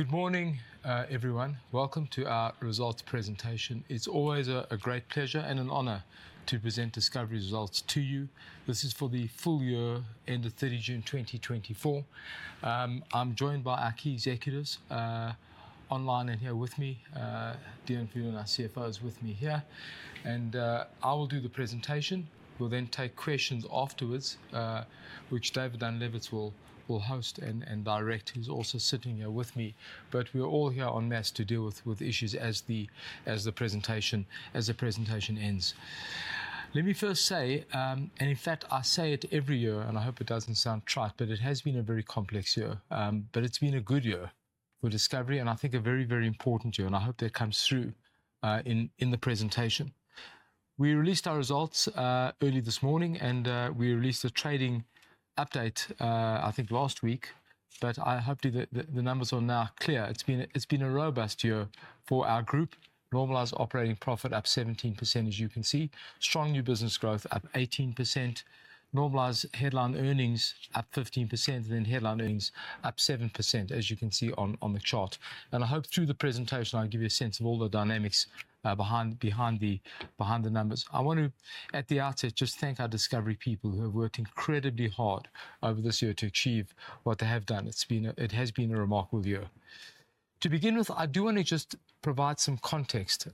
Good morning, everyone. Welcome to our results presentation. It's always a great pleasure and an honor to present Discovery results to you. This is for the full year, end of 30 June, 2024. I'm joined by our key executives, online and here with me. Deon Viljoen, our CFO, is with me here, and I will do the presentation. We'll then take questions afterwards, which David Danilowitz will host and direct. He's also sitting here with me, but we're all here en masse to deal with issues as the presentation ends. Let me first say, and in fact, I say it every year, and I hope it doesn't sound trite, but it has been a very complex year. But it's been a good year for Discovery, and I think a very, very important year, and I hope that comes through in the presentation. We released our results early this morning, and we released a trading update, I think last week, but I hope the numbers are now clear. It's been a robust year for our group. Normalized operating profit up 17%, as you can see. Strong new business growth, up 18%. Normalized headline earnings up 15%, and then headline earnings up 7%, as you can see on the chart. And I hope through the presentation I can give you a sense of all the dynamics behind the numbers. I want to, at the outset, just thank our Discovery people, who have worked incredibly hard over this year to achieve what they have done. It has been a remarkable year. To begin with, I do want to just provide some context.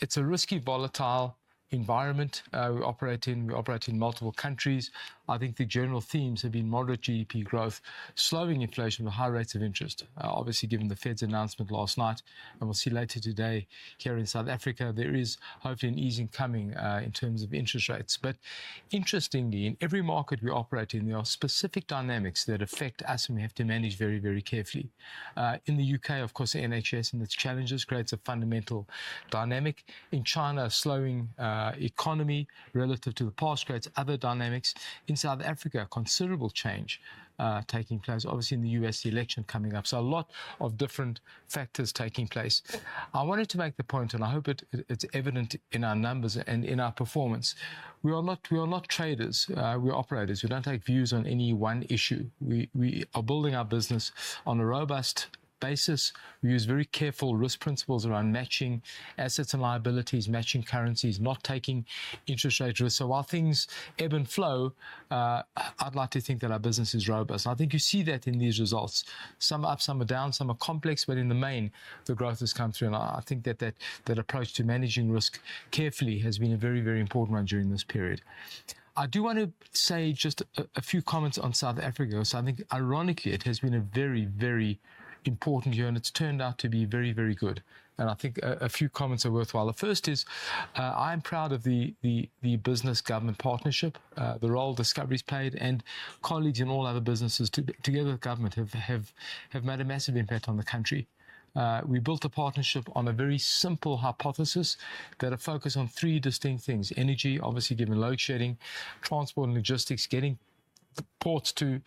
It's a risky, volatile environment we operate in. We operate in multiple countries. I think the general themes have been moderate GDP growth, slowing inflation, with high rates of interest. Obviously, given the Fed's announcement last night, and we'll see later today here in South Africa, there is hopefully an easing coming in terms of interest rates. But interestingly, in every market we operate in, there are specific dynamics that affect us, and we have to manage very, very carefully. In the U.K., of course, the NHS and its challenges creates a fundamental dynamic. In China, a slowing economy relative to the past creates other dynamics. In South Africa, considerable change taking place. Obviously, in the US, the election coming up. So a lot of different factors taking place. I wanted to make the point, and I hope it, it's evident in our numbers and in our performance, we are not, we are not traders, we're operators. We don't take views on any one issue. We, we are building our business on a robust basis. We use very careful risk principles around matching assets and liabilities, matching currencies, not taking interest rate risks. So while things ebb and flow, I'd like to think that our business is robust. I think you see that in these results. Some are up, some are down, some are complex, but in the main, the growth has come through, and I think that approach to managing risk carefully has been a very, very important one during this period. I do want to say just a few comments on South Africa. So I think ironically, it has been a very, very important year, and it's turned out to be very, very good, and I think a few comments are worthwhile. The first is, I'm proud of the business-government partnership, the role Discovery's played, and colleagues in all other businesses together with government, have made a massive impact on the country. We built a partnership on a very simple hypothesis that are focused on three distinct things: energy, obviously, given load shedding, transport and logistics, getting the ports to...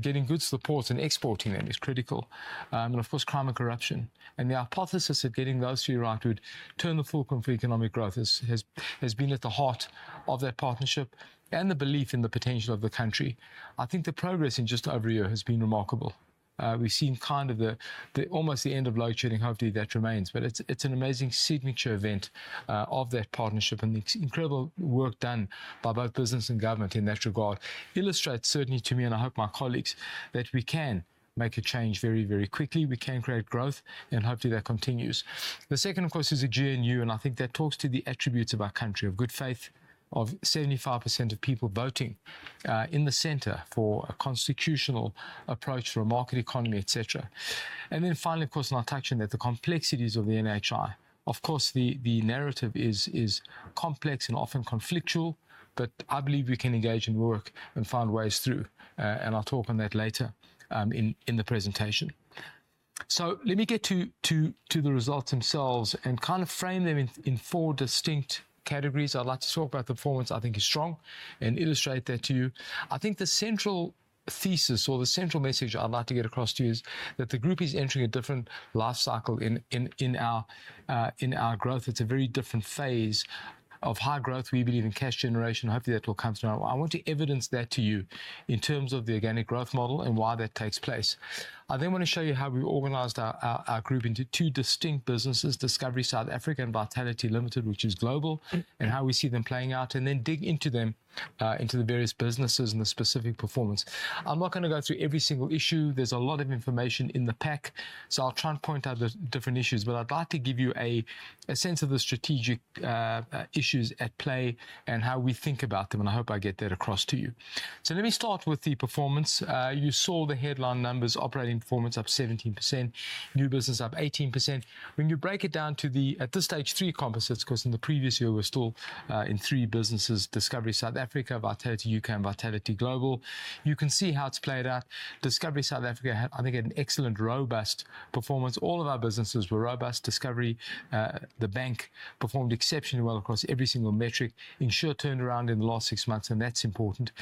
Getting goods to the ports and exporting them is critical, and of course, crime and corruption. And the hypothesis of getting those three right to turn the fulcrum for economic growth has been at the heart of that partnership and the belief in the potential of the country. I think the progress in just over a year has been remarkable. We've seen kind of the almost the end of load shedding. Hopefully, that remains. But it's an amazing signature event of that partnership, and the incredible work done by both business and government in that regard illustrates certainly to me, and I hope my colleagues, that we can make a change very, very quickly. We can create growth, and hopefully, that continues. The second, of course, is the GNU, and I think that talks to the attributes of our country, of good faith, of 75% of people voting in the center for a constitutional approach for a market economy, et cetera. And then finally, of course, and I'll touch on that, the complexities of the NHI. Of course, the narrative is complex and often conflictual, but I believe we can engage and work and find ways through, and I'll talk on that later in the presentation. So let me get to the results themselves and kind of frame them in four distinct categories. I'd like to talk about the performance I think is strong and illustrate that to you. I think the central thesis or the central message I'd like to get across to you is that the group is entering a different life cycle in our growth. It's a very different phase of high growth. We believe in cash generation. Hopefully, that will come through. I want to evidence that to you in terms of the organic growth model and why that takes place. I then want to show you how we've organized our group into two distinct businesses, Discovery South Africa and Vitality Limited, which is global, and how we see them playing out, and then dig into them into the various businesses and the specific performance. I'm not gonna go through every single issue. There's a lot of information in the pack, so I'll try and point out the different issues. But I'd like to give you a sense of the strategic issues at play and how we think about them, and I hope I get that across to you. So let me start with the performance. You saw the headline numbers, operating performance up 17%, new business up 18%. When you break it down to the, at this stage, three composites, 'cause in the previous year, we're still in three businesses, Discovery South Africa, Vitality UK, and Vitality Global. You can see how it's played out. Discovery South Africa had, I think, an excellent, robust performance. All of our businesses were robust. Discovery the bank performed exceptionally well across every single metric. Insure turned around in the last six months, and that's important.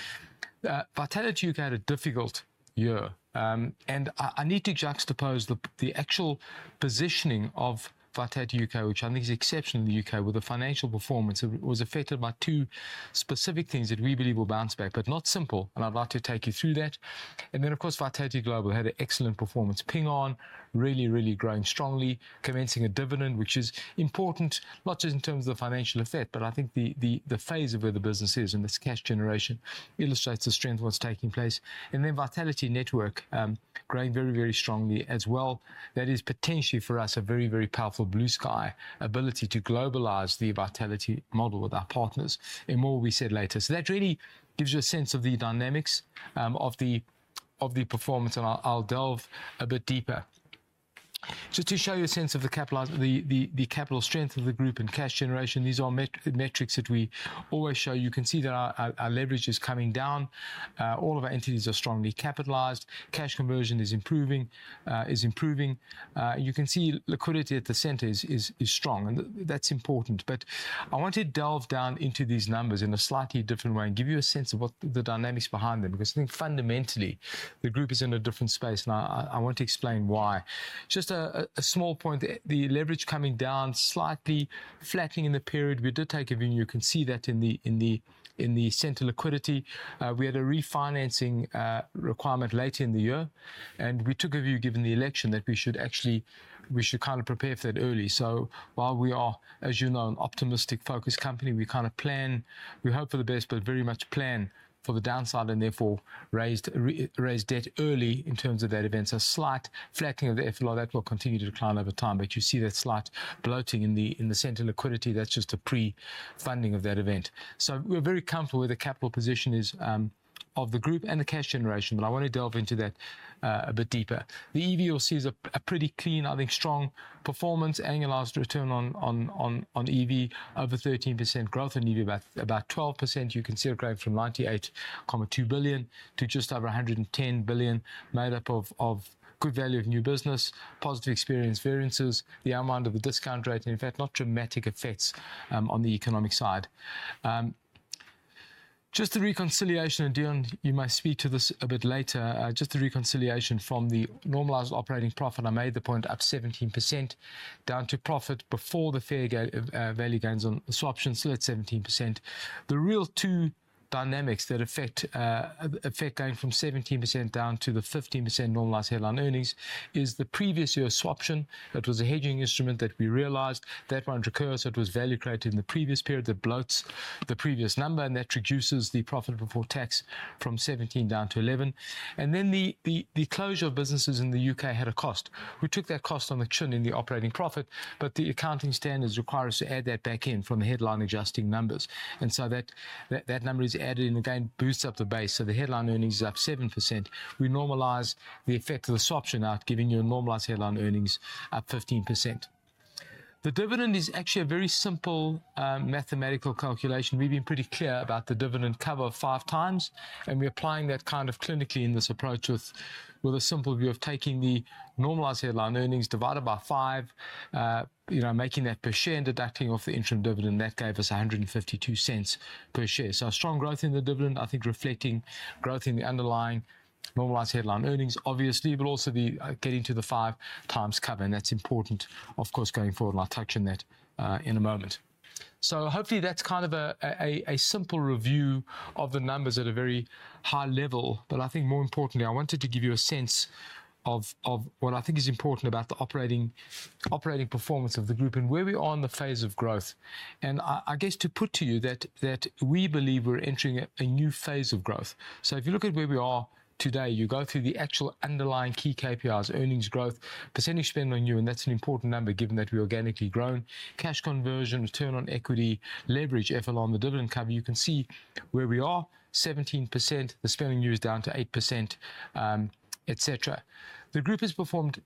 Vitality UK had a difficult year. And I need to juxtapose the actual positioning of Vitality UK, which I think is exceptional in the UK, with the financial performance. It was affected by two specific things that we believe will bounce back, but not simple, and I'd like to take you through that. And then, of course, Vitality Global had an excellent performance. Ping An, really, really growing strongly, commencing a dividend, which is important, not just in terms of the financial effect, but I think the phase of where the business is, and this cash generation illustrates the strength of what's taking place. And then Vitality Network, growing very, very strongly as well. That is potentially for us, a very, very powerful blue sky ability to globalize the Vitality model with our partners, and more will be said later. So that really gives you a sense of the dynamics of the performance, and I'll delve a bit deeper. Just to show you a sense of the capital strength of the group and cash generation, these are metrics that we always show. You can see that our leverage is coming down. All of our entities are strongly capitalized. Cash conversion is improving. You can see liquidity at the center is strong, and that's important. But I want to delve down into these numbers in a slightly different way, and give you a sense of what the dynamics behind them. Because I think fundamentally, the group is in a different space, and I want to explain why. Just a small point, the leverage coming down, slightly flattening in the period. We did take a view, and you can see that in the central liquidity. We had a refinancing requirement later in the year, and we took a view, given the election, that we should actually... We should kind of prepare for that early. So while we are, as you know, an optimistic-focused company, we kind of plan, we hope for the best, but very much plan for the downside, and therefore raised re-raise debt early in terms of that event. So slight flattening of the FLR, that will continue to decline over time. But you see that slight bloating in the central liquidity, that's just a pre-funding of that event. So we're very comfortable where the capital position is, of the group and the cash generation, but I want to delve into that, a bit deeper. The EV you'll see is a pretty clean, I think, strong performance. Annualized return on EV, over 13% growth in EV, about 12%. You can see it growing from 98.2 billion to just over 110 billion, made up of good value of new business, positive experience variances, the unwind of the discount rate, and in fact, not dramatic effects on the economic side. Just a reconciliation, and Deon, you might speak to this a bit later. Just a reconciliation from the normalized operating profit. I made the point, up 17%, down to profit before the fair gain, value gains on the swaption, still at 17%. The real two dynamics that affect going from 17% down to the 15% normalized headline earnings is the previous year swaption. That was a hedging instrument that we realized. That won't recur, so it was value created in the previous period, that bloats the previous number, and that reduces the profit before tax from 17% down to 11%. And then the closure of businesses in the UK had a cost. We took that cost on the chin in the operating profit, but the accounting standards require us to add that back in from the headline adjusting numbers. And so that number is added in, again, boosts up the base. The headline earnings is up 7%. We normalize the effect of the swaption out, giving you a normalized headline earnings up 15%. The dividend is actually a very simple mathematical calculation. We've been pretty clear about the dividend cover of five times, and we're applying that kind of clinically in this approach with a simple view of taking the normalized headline earnings divided by five, you know, making that per share and deducting off the interim dividend. That gave us 1.52 per share. A strong growth in the dividend, I think, reflecting growth in the underlying normalized headline earnings, obviously, but also the getting to the five times cover, and that's important, of course, going forward, and I'll touch on that in a moment. So hopefully, that's kind of a simple review of the numbers at a very high level. But I think more importantly, I wanted to give you a sense of what I think is important about the operating performance of the group and where we are in the phase of growth. And I guess to put to you that we believe we're entering a new phase of growth. So if you look at where we are today, you go through the actual underlying key KPIs, earnings growth, percentage spend on new, and that's an important number given that we organically grown. Cash conversion, return on equity, leverage, FLO on the dividend cover, you can see where we are, 17%. The spend on new is down to 8%, etc. The group has performed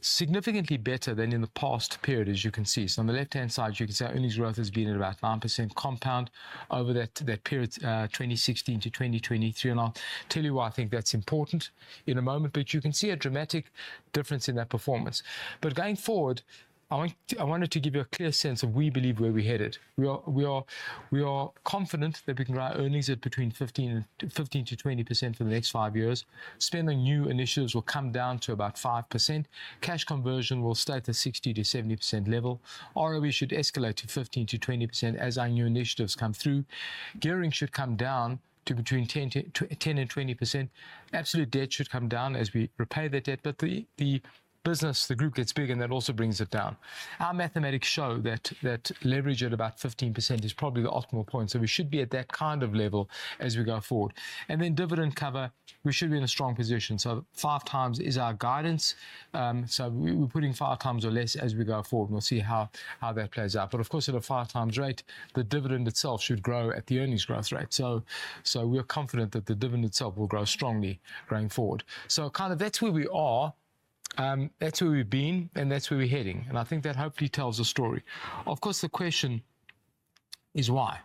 significantly better than in the past period, as you can see, so on the left-hand side, you can see our earnings growth has been at about 9% compound over that period, 2016 to 2023, and I'll tell you why I think that's important in a moment, but you can see a dramatic difference in that performance, but going forward, I want, I wanted to give you a clear sense of where we believe we're headed. We are confident that we can grow our earnings at between 15%-20% for the next five years. Spend on new initiatives will come down to about 5%. Cash conversion will stay at the 60%-70% level. ROE should escalate to 15%-20% as our new initiatives come through. Gearing should come down to between 10% and 20%. Absolute debt should come down as we repay that debt, but the business, the group gets bigger, and that also brings it down. Our mathematics show that leverage at about 15% is probably the optimal point, so we should be at that kind of level as we go forward. And then dividend cover, we should be in a strong position. Five times is our guidance. We are putting five times or less as we go forward, and we'll see how that plays out. But of course, at a five times rate, the dividend itself should grow at the earnings growth rate. We are confident that the dividend itself will grow strongly going forward. So kind of that's where we are, that's where we've been, and that's where we're heading, and I think that hopefully tells a story. Of course, the question is why?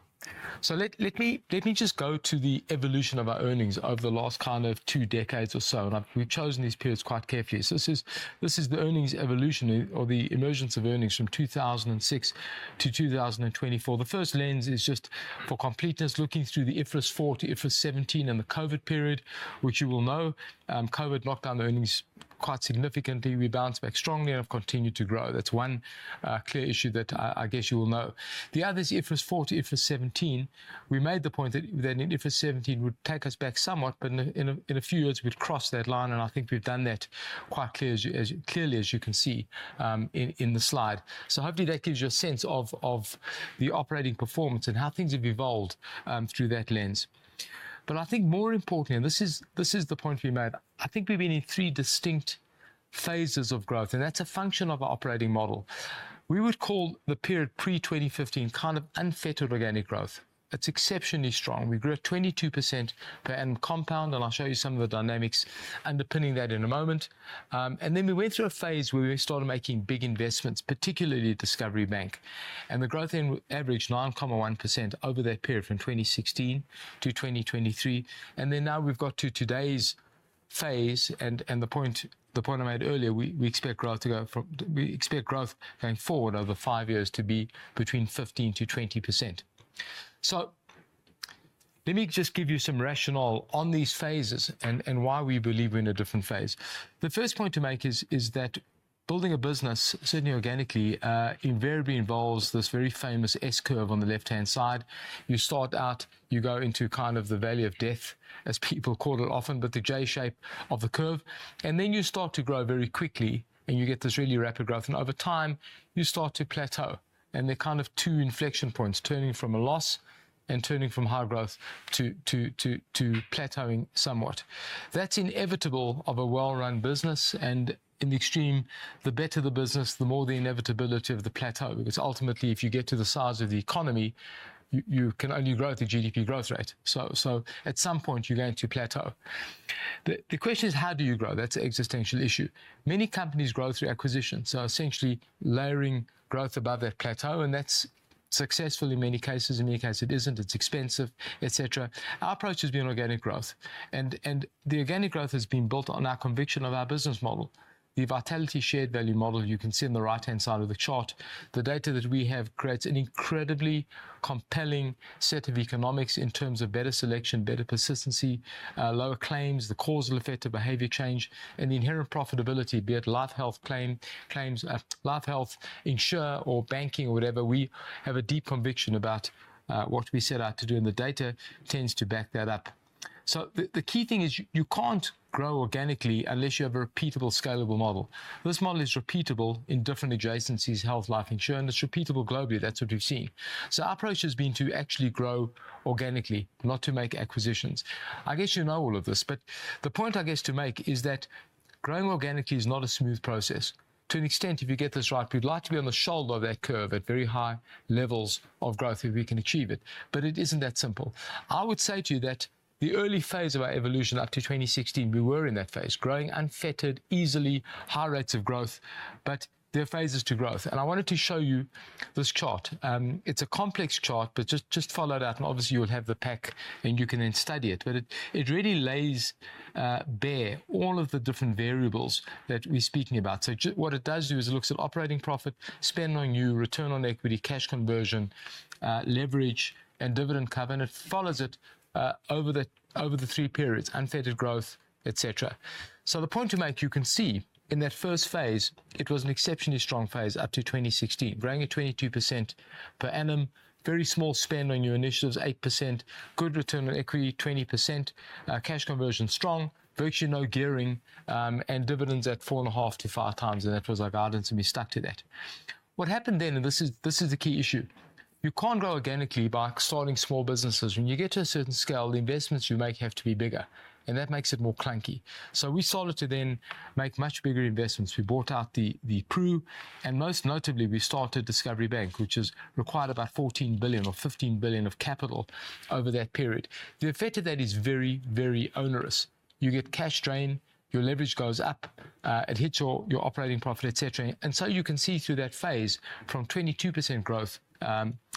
So let me just go to the evolution of our earnings over the last kind of two decades or so, and we've chosen these periods quite carefully. So this is the earnings evolution or the emergence of earnings from 2006-2024. The first lens is just for completeness, looking through the IFRS 4 to IFRS 17 and the COVID period, which you will know. COVID locked down the earnings quite significantly. We bounced back strongly and have continued to grow. That's one clear issue that I guess you will know. The other is IFRS 4 to IFRS 17. We made the point that IFRS 17 would take us back somewhat, but in a few years, we'd cross that line, and I think we've done that quite clearly, as you can see, in the slide. So hopefully that gives you a sense of the operating performance and how things have evolved through that lens. But I think more importantly, and this is the point we made, I think we've been in three distinct phases of growth, and that's a function of our operating model. We would call the period pre-2015 kind of unfettered organic growth. It's exceptionally strong. We grew at 22% per annum compound, and I'll show you some of the dynamics underpinning that in a moment. And then we went through a phase where we started making big investments, particularly Discovery Bank, and the growth then averaged 9.1% over that period from 2016-2023. And then now we've got to today's phase, and the point I made earlier, we expect growth to go from... We expect growth going forward over five years to be between 15%-20%. So let me just give you some rationale on these phases and why we believe we're in a different phase. The first point to make is that building a business, certainly organically, invariably involves this very famous S-curve on the left-hand side. You start out, you go into kind of the valley of death, as people call it often, but the J shape of the curve, and then you start to grow very quickly, and you get this really rapid growth. And over time, you start to plateau, and there are kind of two inflection points, turning from a loss and turning from high growth to plateauing somewhat. That's inevitable of a well-run business, and in the extreme, the better the business, the more the inevitability of the plateau. Because ultimately, if you get to the size of the economy, you can only grow at the GDP growth rate. So at some point, you're going to plateau. The question is: how do you grow? That's the existential issue. Many companies grow through acquisition, so essentially layering growth above that plateau, and that's successful in many cases. In many cases, it isn't; it's expensive, et cetera. Our approach has been organic growth, and the organic growth has been built on our conviction of our business model. The Vitality Shared Value model, you can see on the right-hand side of the chart. The data that we have creates an incredibly compelling set of economics in terms of better selection, better persistency, lower claims, the causal effect of behavior change, and the inherent profitability, be it life, health, claims, life health, insure or banking or whatever. We have a deep conviction about what we set out to do, and the data tends to back that up. So the key thing is, you can't grow organically unless you have a repeatable, scalable model. This model is repeatable in different adjacencies: health, life, insure, and it's repeatable globally. That's what we've seen. Our approach has been to actually grow organically, not to make acquisitions. I guess you know all of this, but the point I guess to make is that growing organically is not a smooth process. To an extent, if you get this right, we'd like to be on the shoulder of that curve at very high levels of growth, if we can achieve it, but it isn't that simple. I would say to you that the early phase of our evolution, up to 2016, we were in that phase, growing unfettered, easily, high rates of growth. But there are phases to growth, and I wanted to show you this chart. It's a complex chart, but just follow that, and obviously, you'll have the pack, and you can then study it. But it really lays bare all of the different variables that we're speaking about. What it does do is it looks at operating profit, spend on new, return on equity, cash conversion, leverage, and dividend cover, and it follows it over the three periods: unfettered growth, et cetera. The point to make, you can see in that first phase, it was an exceptionally strong phase up to 2016, growing at 22% per annum, very small spend on new initiatives, 8%, good return on equity, 20%, cash conversion, strong, virtually no gearing, and dividends at four and a half to five times, and that was our guidance, and we stuck to that. What happened then, and this is the key issue, you can't grow organically by starting small businesses. When you get to a certain scale, the investments you make have to be bigger, and that makes it more clunky. So we started to then make much bigger investments. We bought out the Pru, and most notably, we started Discovery Bank, which has required about $14 billion or $15 billion of capital over that period. The effect of that is very, very onerous. You get cash drain, your leverage goes up, it hits your operating profit, et cetera. And so you can see through that phase, from 22% growth,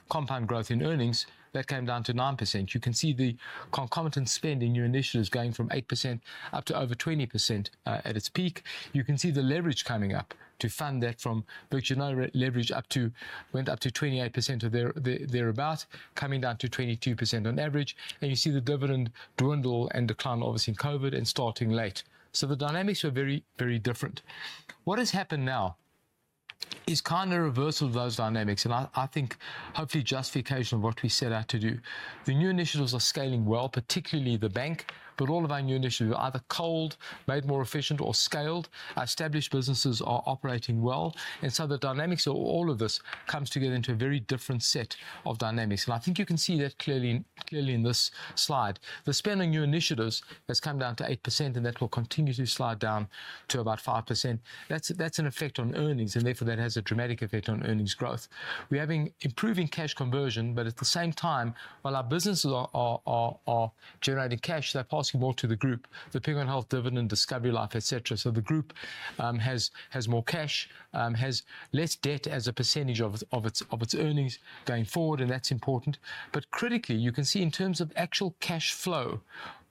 compound growth in earnings, that came down to 9%. You can see the concomitant spend in new initiatives going from 8% up to over 20%, at its peak. You can see the leverage coming up to fund that from virtually no leverage up to... went up to 28% or thereabout, coming down to 22% on average. And you see the dividend dwindle and decline, obviously in COVID and starting late. So the dynamics were very, very different. What has happened now is kind of a reversal of those dynamics, and I, I think hopefully justification of what we set out to do. The new initiatives are scaling well, particularly the bank, but all of our new initiatives are either culled, made more efficient, or scaled. Our established businesses are operating well, and so the dynamics of all of this comes together into a very different set of dynamics, and I think you can see that clearly, clearly in this slide. The spend on new initiatives has come down to 8%, and that will continue to slide down to about 5%. That's, that's an effect on earnings, and therefore, that has a dramatic effect on earnings growth. We're having improving cash conversion, but at the same time, while our businesses are generating cash, they're passing more to the group, the Ping An Health dividend, Discovery Life, et cetera. So the group has more cash, has less debt as a percentage of its earnings going forward, and that's important. But critically, you can see in terms of actual cash flow,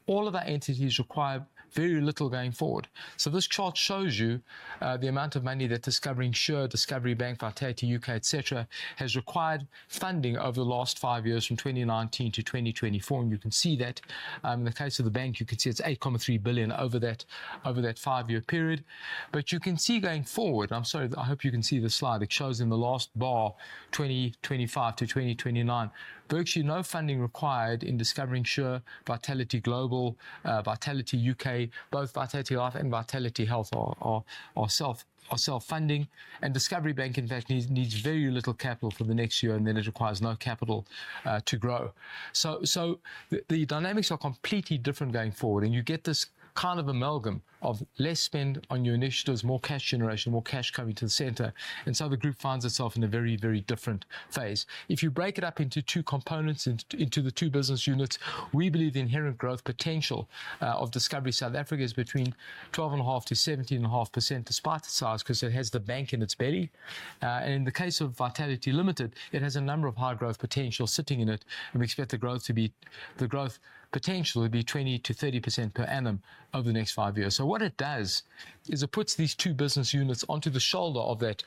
all of our entities require very little going forward. So this chart shows you the amount of money that Discovery Insure, Discovery Bank, Vitality UK, et cetera, has required funding over the last five years, from 2019-2024, and you can see that. In the case of the bank, you can see it's 8.3 billion over that five-year period. But you can see going forward... I'm sorry, I hope you can see the slide. It shows in the last bar, 2025 to 2029, virtually no funding required in Discovery Insure, Vitality Global, Vitality UK. Both VitalityLife and Vitality Health are self-funding, and Discovery Bank, in fact, needs very little capital for the next year, and then it requires no capital to grow. So the dynamics are completely different going forward, and you get this kind of amalgam of less spend on new initiatives, more cash generation, more cash coming to the center, and so the group finds itself in a very, very different phase. If you break it up into two components, into the two business units, we believe the inherent growth potential of Discovery South Africa is between 12.5%-17.5%, despite its size, because it has the bank in its belly. And in the case of Vitality Limited, it has a number of high-growth potentials sitting in it, and we expect the growth potential to be 20%-30% per annum over the next five years. So what it does is it puts these two business units onto the shoulder of that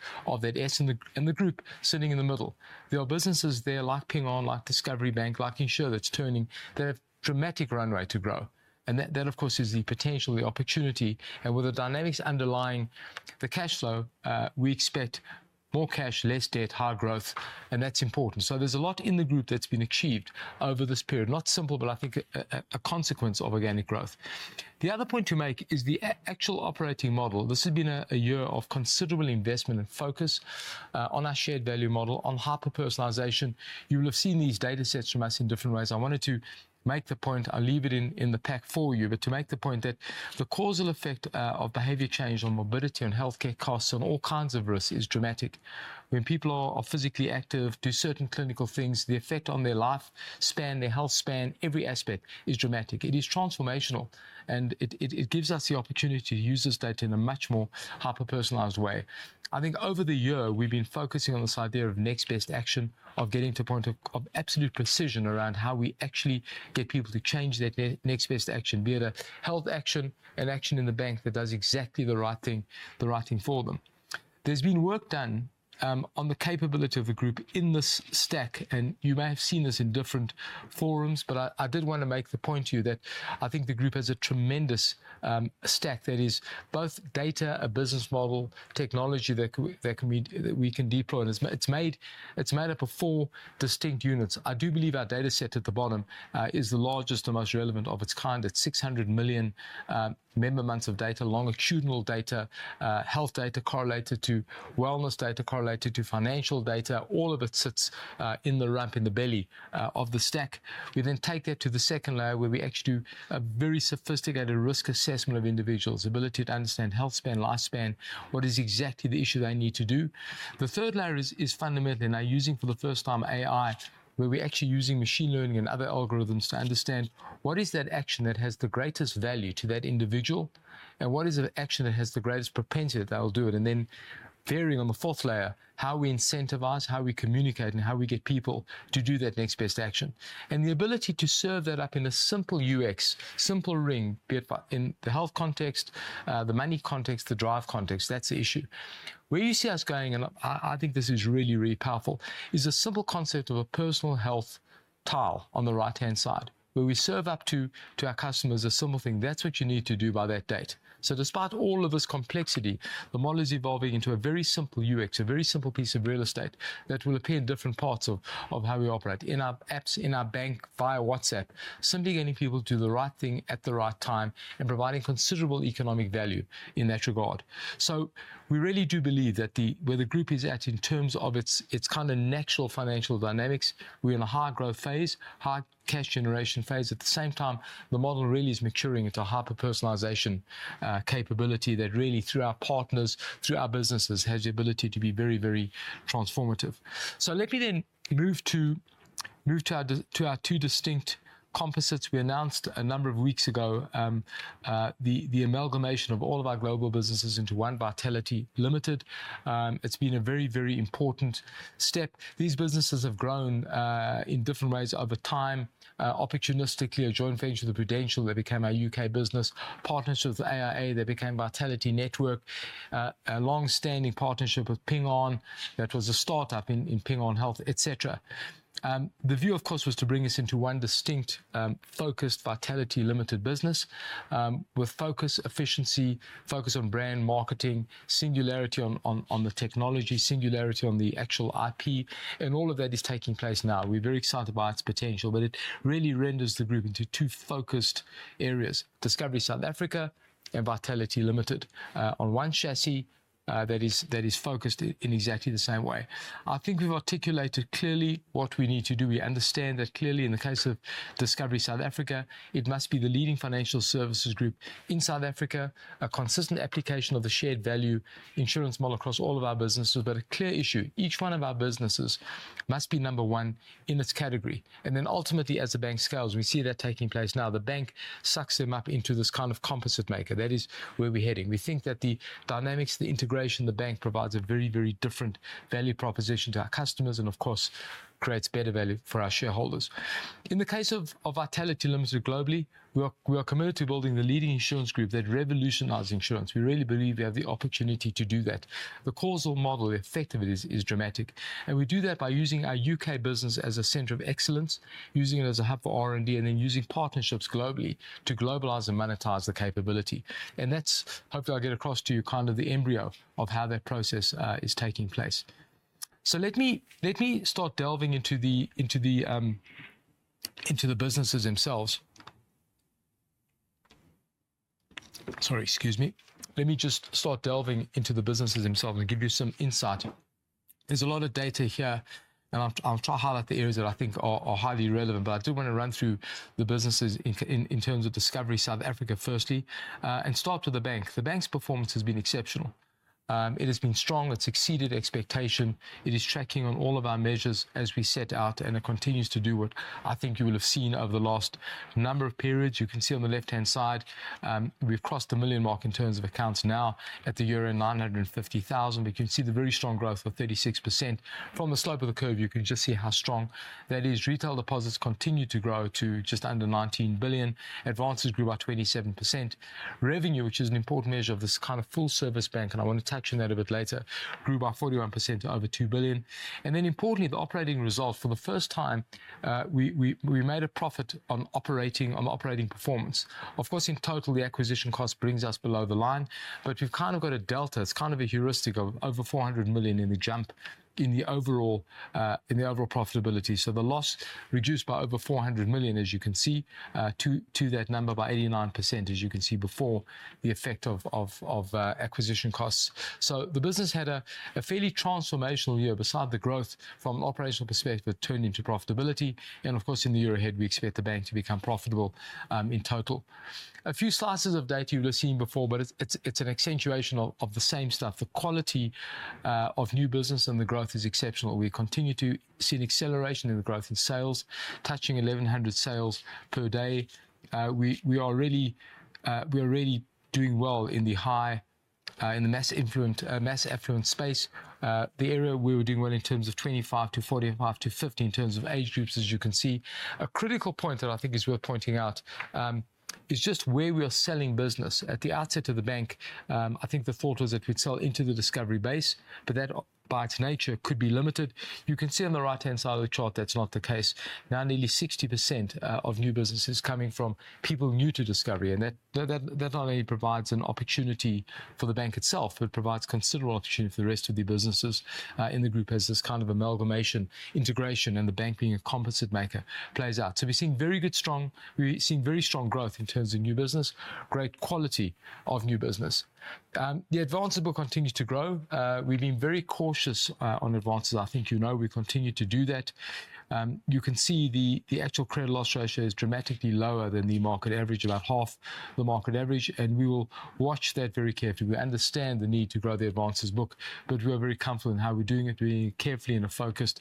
S in the group sitting in the middle. There are businesses there, like Ping An, like Discovery Bank, like Insure, that's turning. They have dramatic runway to grow, and that, of course, is the potential, the opportunity. And with the dynamics underlying the cash flow, we expect more cash, less debt, high growth, and that's important. So there's a lot in the group that's been achieved over this period. Not simple, but I think a consequence of organic growth. The other point to make is the actual operating model. This has been a year of considerable investment and focus on our shared value model, on hyperpersonalization. You will have seen these data sets from us in different ways. I wanted to make the point. I'll leave it in the pack for you, but to make the point that the causal effect of behavior change on morbidity and healthcare costs and all kinds of risks is dramatic. When people are physically active, do certain clinical things, the effect on their lifespan, their health span, every aspect is dramatic. It is transformational, and it gives us the opportunity to use this data in a much more hyperpersonalized way. I think over the year, we've been focusing on this idea of next best action, of getting to a point of absolute precision around how we actually get people to change their next best action, be it a health action, an action in the bank that does exactly the right thing, the right thing for them. There's been work done on the capability of the group in this stack, and you may have seen this in different forums, but I did want to make the point to you that I think the group has a tremendous stack that is both data, a business model, technology that we can deploy, and it's made up of four distinct units. I do believe our data set at the bottom is the largest and most relevant of its kind. It's 600 million member months of data, longitudinal data, health data correlated to wellness data, correlated to financial data. All of it sits in the belly of the stack. We then take that to the second layer, where we actually do a very sophisticated risk assessment of individuals' ability to understand health span, lifespan, what is exactly the issue they need to do. The third layer is fundamentally, and now using for the first time, AI, where we're actually using machine learning and other algorithms to understand what is that action that has the greatest value to that individual, and what is the action that has the greatest propensity that they'll do it, and then varying on the fourth layer, how we incentivize, how we communicate, and how we get people to do that next best action. The ability to serve that up in a simple UX, simple ring, be it by... in the health context, the money context, the drive context, that's the issue. Where you see us going, and I think this is really, really powerful, is a simple concept of a personal health tile on the right-hand side, where we serve up to our customers a simple thing. "That's what you need to do by that date." Despite all of this complexity, the model is evolving into a very simple UX, a very simple piece of real estate that will appear in different parts of how we operate, in our apps, in our bank, via WhatsApp. Simply getting people to do the right thing at the right time and providing considerable economic value in that regard. So we really do believe that where the group is at in terms of its kind of natural financial dynamics, we're in a high-growth phase, high cash generation phase. At the same time, the model really is maturing into hyperpersonalization capability that really, through our partners, through our businesses, has the ability to be very, very transformative. So let me then move to our two distinct composites. We announced a number of weeks ago the amalgamation of all of our global businesses into one, Vitality Limited. It's been a very, very important step. These businesses have grown in different ways over time. Opportunistically, a joint venture with Prudential that became our UK business. Partnership with AIA that became Vitality Network. A long-standing partnership with Ping An that was a startup in Ping An Health, et cetera. The view, of course, was to bring us into one distinct focused Vitality Limited business with focus, efficiency, focus on brand marketing, singularity on the technology, singularity on the actual IP, and all of that is taking place now. We're very excited about its potential, but it really renders the group into two focused areas: Discovery South Africa and Vitality Limited. On one chassis that is focused in exactly the same way. I think we've articulated clearly what we need to do. We understand that clearly in the case of Discovery South Africa, it must be the leading financial services group in South Africa, a consistent application of the shared value insurance model across all of our businesses. But a clear issue: each one of our businesses must be number one in its category. And then ultimately, as the bank scales, we see that taking place now. The bank sucks them up into this kind of composite maker. That is where we're heading. We think that the dynamics, the integration, the bank provides a very, very different value proposition to our customers and, of course, creates better value for our shareholders. In the case of Vitality Limited globally, we are committed to building the leading insurance group that revolutionizes insurance. We really believe we have the opportunity to do that. The causal model effect of it is dramatic, and we do that by using our UK business as a center of excellence, using it as a hub for R&D, and then using partnerships globally to globalize and monetize the capability. And that's... Hopefully, I'll get across to you kind of the embryo of how that process is taking place. So let me start delving into the businesses themselves. Sorry, excuse me. Let me just start delving into the businesses themselves and give you some insight. There's a lot of data here, and I'll try to highlight the areas that I think are highly relevant. But I do want to run through the businesses in terms of Discovery South Africa, firstly, and start with the bank. The bank's performance has been exceptional. It has been strong. It's exceeded expectation. It is tracking on all of our measures as we set out, and it continues to do what I think you will have seen over the last number of periods. You can see on the left-hand side, we've crossed the million mark in terms of accounts now. At the year-end, 950,000. But you can see the very strong growth of 36%. From the slope of the curve, you can just see how strong that is. Retail deposits continue to grow to just under 19 billion. Advances grew by 27%. Revenue, which is an important measure of this kind of full-service bank, and I want to touch on that a bit later, grew by 41% to over 2 billion. And then importantly, the operating result, for the first time, we made a profit on operating performance. Of course, in total, the acquisition cost brings us below the line, but we've kind of got a delta. It's kind of a heuristic of over 400 million in the jump in the overall profitability. So the loss reduced by over 400 million, as you can see, to that number by 89%, as you can see before, the effect of acquisition costs. The business had a fairly transformational year. Besides the growth from an operational perspective, it turned into profitability, and of course, in the year ahead, we expect the bank to become profitable in total. A few slices of data you've seen before, but it's an accentuation of the same stuff. The quality of new business and the growth is exceptional. We continue to see an acceleration in the growth in sales, touching 1,100 sales per day. We are really doing well in the mass affluent space. The area we were doing well in terms of 25-45-50, in terms of age groups, as you can see. A critical point that I think is worth pointing out is just where we are selling business. At the outset of the bank, I think the thought was that we'd sell into the Discovery base, but that by its nature could be limited. You can see on the right-hand side of the chart, that's not the case. Now, nearly 60% of new business is coming from people new to Discovery, and that not only provides an opportunity for the bank itself, but provides considerable opportunity for the rest of the businesses in the group as this kind of amalgamation, integration, and the bank being a composite maker plays out. So we're seeing very good, strong. We've seen very strong growth in terms of new business, great quality of new business. The advances book continued to grow. We've been very cautious on advances. I think you know we continue to do that. You can see the actual credit loss ratio is dramatically lower than the market average, about half the market average, and we will watch that very carefully. We understand the need to grow the advances book, but we are very comfortable in how we're doing it, doing it carefully in a focused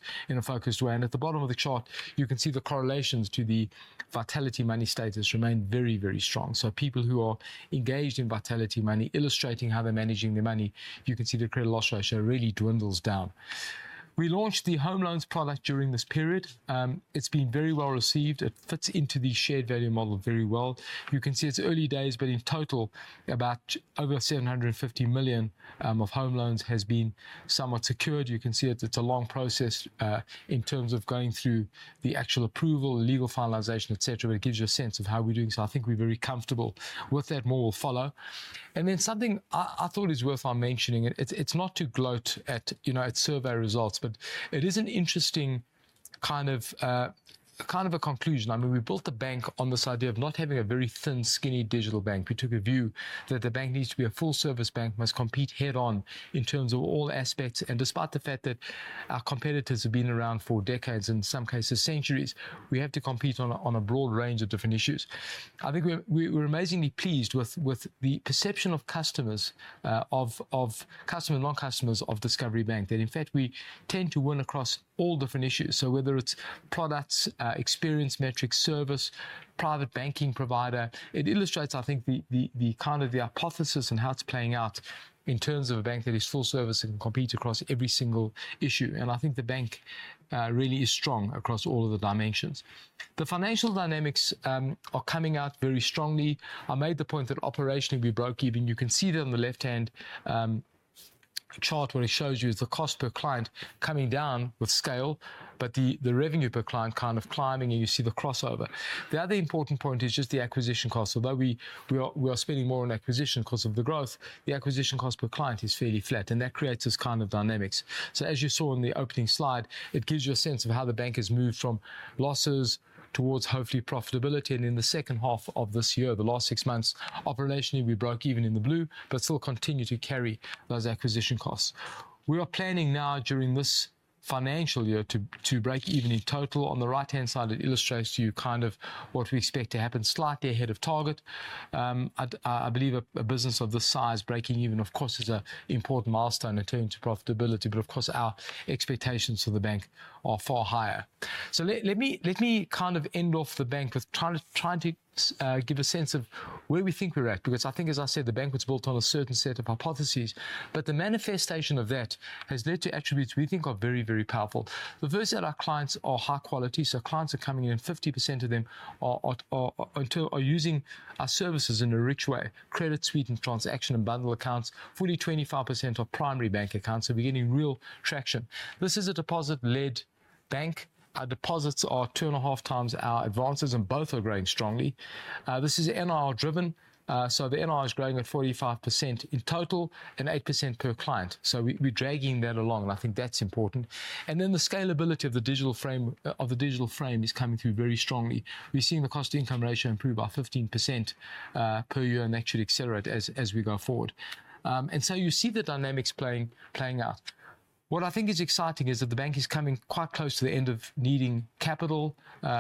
way. And at the bottom of the chart, you can see the correlations to the Vitality Money status remain very, very strong. So people who are engaged in Vitality Money, illustrating how they're managing their money, you can see the credit loss ratio really dwindles down. We launched the home loans product during this period. It's been very well received. It fits into the shared value model very well. You can see it's early days, but in total, about over 750 million of home loans has been somewhat secured. You can see it, it's a long process in terms of going through the actual approval, legal finalization, et cetera, but it gives you a sense of how we're doing. So I think we're very comfortable. With that, more will follow. And then something I thought is worth mentioning, it's not to gloat at, you know, at survey results, but it is an interesting kind of, kind of a conclusion. I mean, we built the bank on this idea of not having a very thin, skinny digital bank. We took a view that the bank needs to be a full-service bank, must compete head-on in terms of all aspects. And despite the fact that our competitors have been around for decades, in some cases centuries, we have to compete on a broad range of different issues. I think we're amazingly pleased with the perception of customers and non-customers of Discovery Bank, that in fact, we tend to win across all different issues. So whether it's products, experience, metrics, service, private banking provider, it illustrates, I think, the kind of the hypothesis and how it's playing out in terms of a bank that is full service and can compete across every single issue. And I think the bank really is strong across all of the dimensions. The financial dynamics are coming out very strongly. I made the point that operationally we broke even. You can see that on the left-hand chart, what it shows you is the cost per client coming down with scale, but the revenue per client kind of climbing, and you see the crossover. The other important point is just the acquisition cost. Although we are spending more on acquisition because of the growth, the acquisition cost per client is fairly flat, and that creates this kind of dynamics. So as you saw in the opening slide, it gives you a sense of how the bank has moved from losses towards hopefully profitability. And in the second half of this year, the last six months operationally, we broke even in the blue, but still continue to carry those acquisition costs. We are planning now during this financial year to break even in total. On the right-hand side, it illustrates to you kind of what we expect to happen slightly ahead of target. I believe a business of this size breaking even, of course, is an important milestone in terms of profitability, but of course, our expectations for the bank are far higher. Let me kind of end off the bank with trying to give a sense of where we think we're at, because I think, as I said, the bank was built on a certain set of hypotheses, but the manifestation of that has led to attributes we think are very, very powerful. The first is that our clients are high quality, so clients are coming in, and 50% of them are already using our services in a rich way, credit, savings, and transaction, and bundled accounts. Fully 25% are primary bank accounts, so we're getting real traction. This is a deposit-led bank. Our deposits are two and a half times our advances, and both are growing strongly. This is NII driven, so the NII is growing at 45% in total and 8% per client, so we're dragging that along, and I think that's important, and then the scalability of the digital frame is coming through very strongly. We're seeing the cost-to-income ratio improve by 15% per year and actually accelerate as we go forward. And so you see the dynamics playing out. What I think is exciting is that the bank is coming quite close to the end of needing capital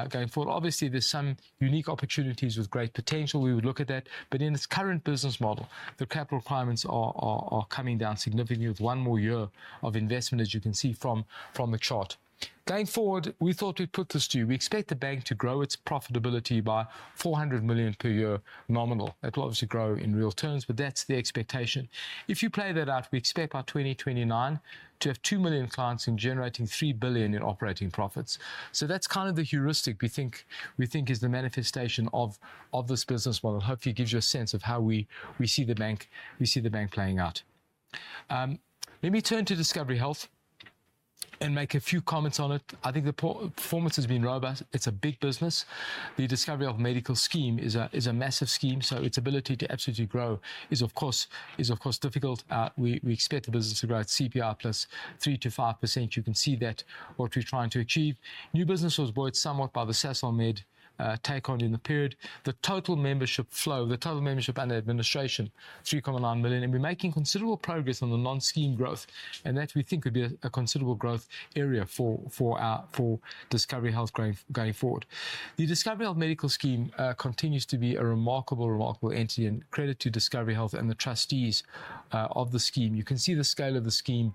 going forward. Obviously, there's some unique opportunities with great potential. We would look at that. But in its current business model, the capital requirements are coming down significantly with one more year of investment, as you can see from the chart. Going forward, we thought we'd put this to you. We expect the bank to grow its profitability by 400 million per year nominal. That will obviously grow in real terms, but that's the expectation. If you play that out, we expect by 2029 to have 2 million clients and generating 3 billion in operating profits. So that's kind of the heuristic we think is the manifestation of this business model. Hopefully, it gives you a sense of how we see the bank playing out. Let me turn to Discovery Health and make a few comments on it. I think the performance has been robust. It's a big business. The Discovery Health Medical Scheme is a massive scheme, so its ability to absolutely grow is, of course, difficult. We expect the business to grow at CPI plus 3%-5%. You can see that what we're trying to achieve. New business was buoyed somewhat by the Sasolmed take on in the period. The total membership and the administration, 3.9 million, and we're making considerable progress on the non-scheme growth, and that we think could be a considerable growth area for our Discovery Health going forward. The Discovery Health Medical Scheme continues to be a remarkable entry and credit to Discovery Health and the trustees of the scheme. You can see the scale of the scheme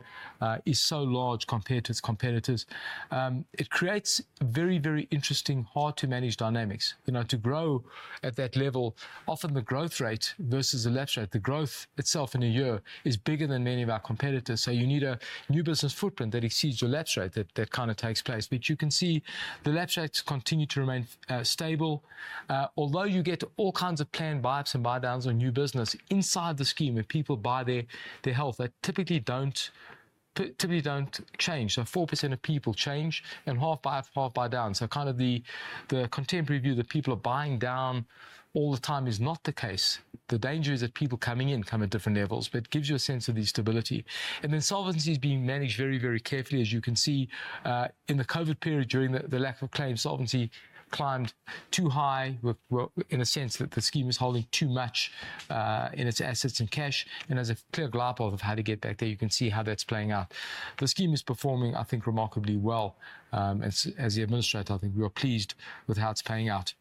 is so large compared to its competitors. It creates very, very interesting, hard-to-manage dynamics. You know, to grow at that level, often the growth rate versus the lapse rate, the growth itself in a year is bigger than many of our competitors. So you need a new business footprint that exceeds your lapse rate, that kind of takes place. But you can see the lapse rates continue to remain stable. Although you get all kinds of planned buy ups and buy downs on new business, inside the scheme, if people buy their health, they typically don't change. So 4% of people change, and half buy up, half buy down. So kind of the contemporary view that people are buying down all the time is not the case. The danger is that people coming in come at different levels, but it gives you a sense of the stability. And then solvency is being managed very, very carefully. As you can see, in the COVID period, during the lack of claims, solvency climbed too high, well, in a sense that the scheme is holding too much in its assets and cash, and there's a clear plan of how to get back there. You can see how that's playing out. The scheme is performing, I think, remarkably well. As the administrator, I think we are pleased with how it's playing out.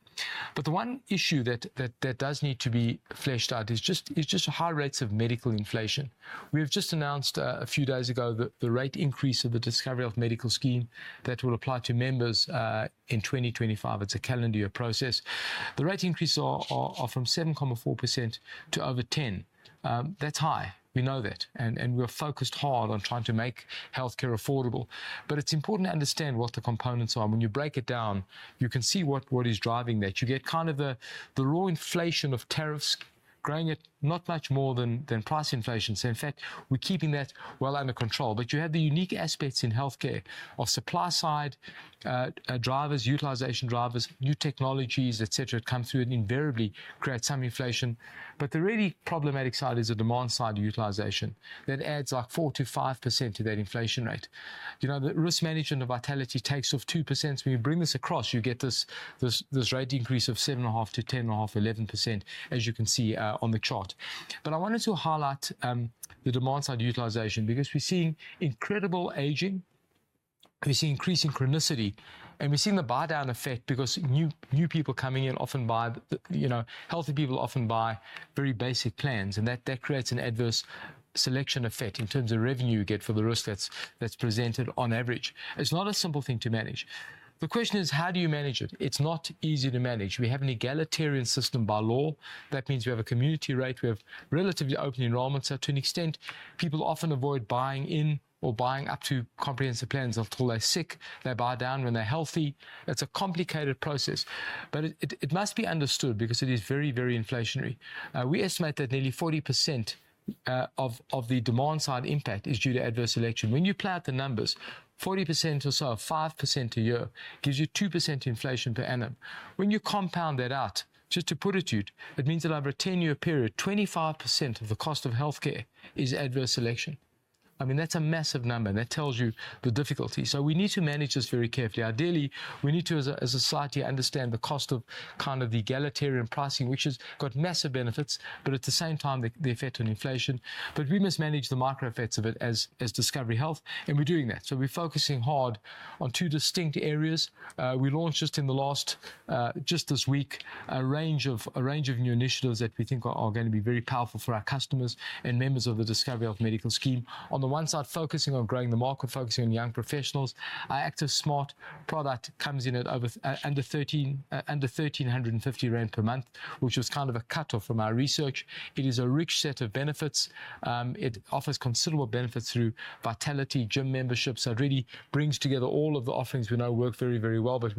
But the one issue that does need to be fleshed out is just high rates of medical inflation. We've just announced, a few days ago, the rate increase of the Discovery Health Medical Scheme that will apply to members in 2025. It's a calendar year process. The rate increases are from 7.4% to over 10%. That's high. We know that, and we're focused hard on trying to make healthcare affordable. But it's important to understand what the components are. When you break it down, you can see what is driving that. You get kind of the raw inflation of tariffs growing at not much more than price inflation. So in fact, we're keeping that well under control. But you have the unique aspects in healthcare of supply side drivers, utilization drivers, new technologies, et cetera, come through and invariably create some inflation. But the really problematic side is the demand side utilization. That adds, like, 4%-5% to that inflation rate. You know, the risk management of Vitality takes off 2%. When you bring this across, you get this rate increase of 7.5%-10.5%, 11%, as you can see on the chart. But I wanted to highlight the demand side utilization, because we're seeing incredible aging, we're seeing increasing chronicity, and we're seeing the buy-down effect because new people coming in often buy. You know, healthy people often buy very basic plans, and that creates an adverse selection effect in terms of revenue you get for the risk that's presented on average. It's not a simple thing to manage. The question is: How do you manage it? It's not easy to manage. We have an egalitarian system by law. That means we have a community rate. We have relatively open enrollments. So to an extent, people often avoid buying in or buying up to comprehensive plans until they're sick. They buy down when they're healthy. It's a complicated process, but it must be understood because it is very, very inflationary. We estimate that nearly 40% of the demand side impact is due to adverse selection. When you play out the numbers, 40% or so, 5% a year, gives you 2% inflation per annum. When you compound that out, just to put it to you, it means that over a 10-year period, 25% of the cost of healthcare is adverse selection. I mean, that's a massive number, and that tells you the difficulty. So we need to manage this very carefully. Ideally, we need to, as a society, understand the cost of kind of the egalitarian pricing, which has got massive benefits, but at the same time, the effect on inflation. But we must manage the micro effects of it as Discovery Health, and we're doing that. So we're focusing hard on two distinct areas. We launched just this week a range of new initiatives that we think are gonna be very powerful for our customers and members of the Discovery Health Medical Scheme. On the one side, focusing on growing the market, focusing on young professionals. Our Active Smart product comes in at under 1,350 rand per month, which was kind of a cutoff from our research. It is a rich set of benefits. It offers considerable benefits through Vitality, gym memberships. It really brings together all of the offerings we know work very, very well, but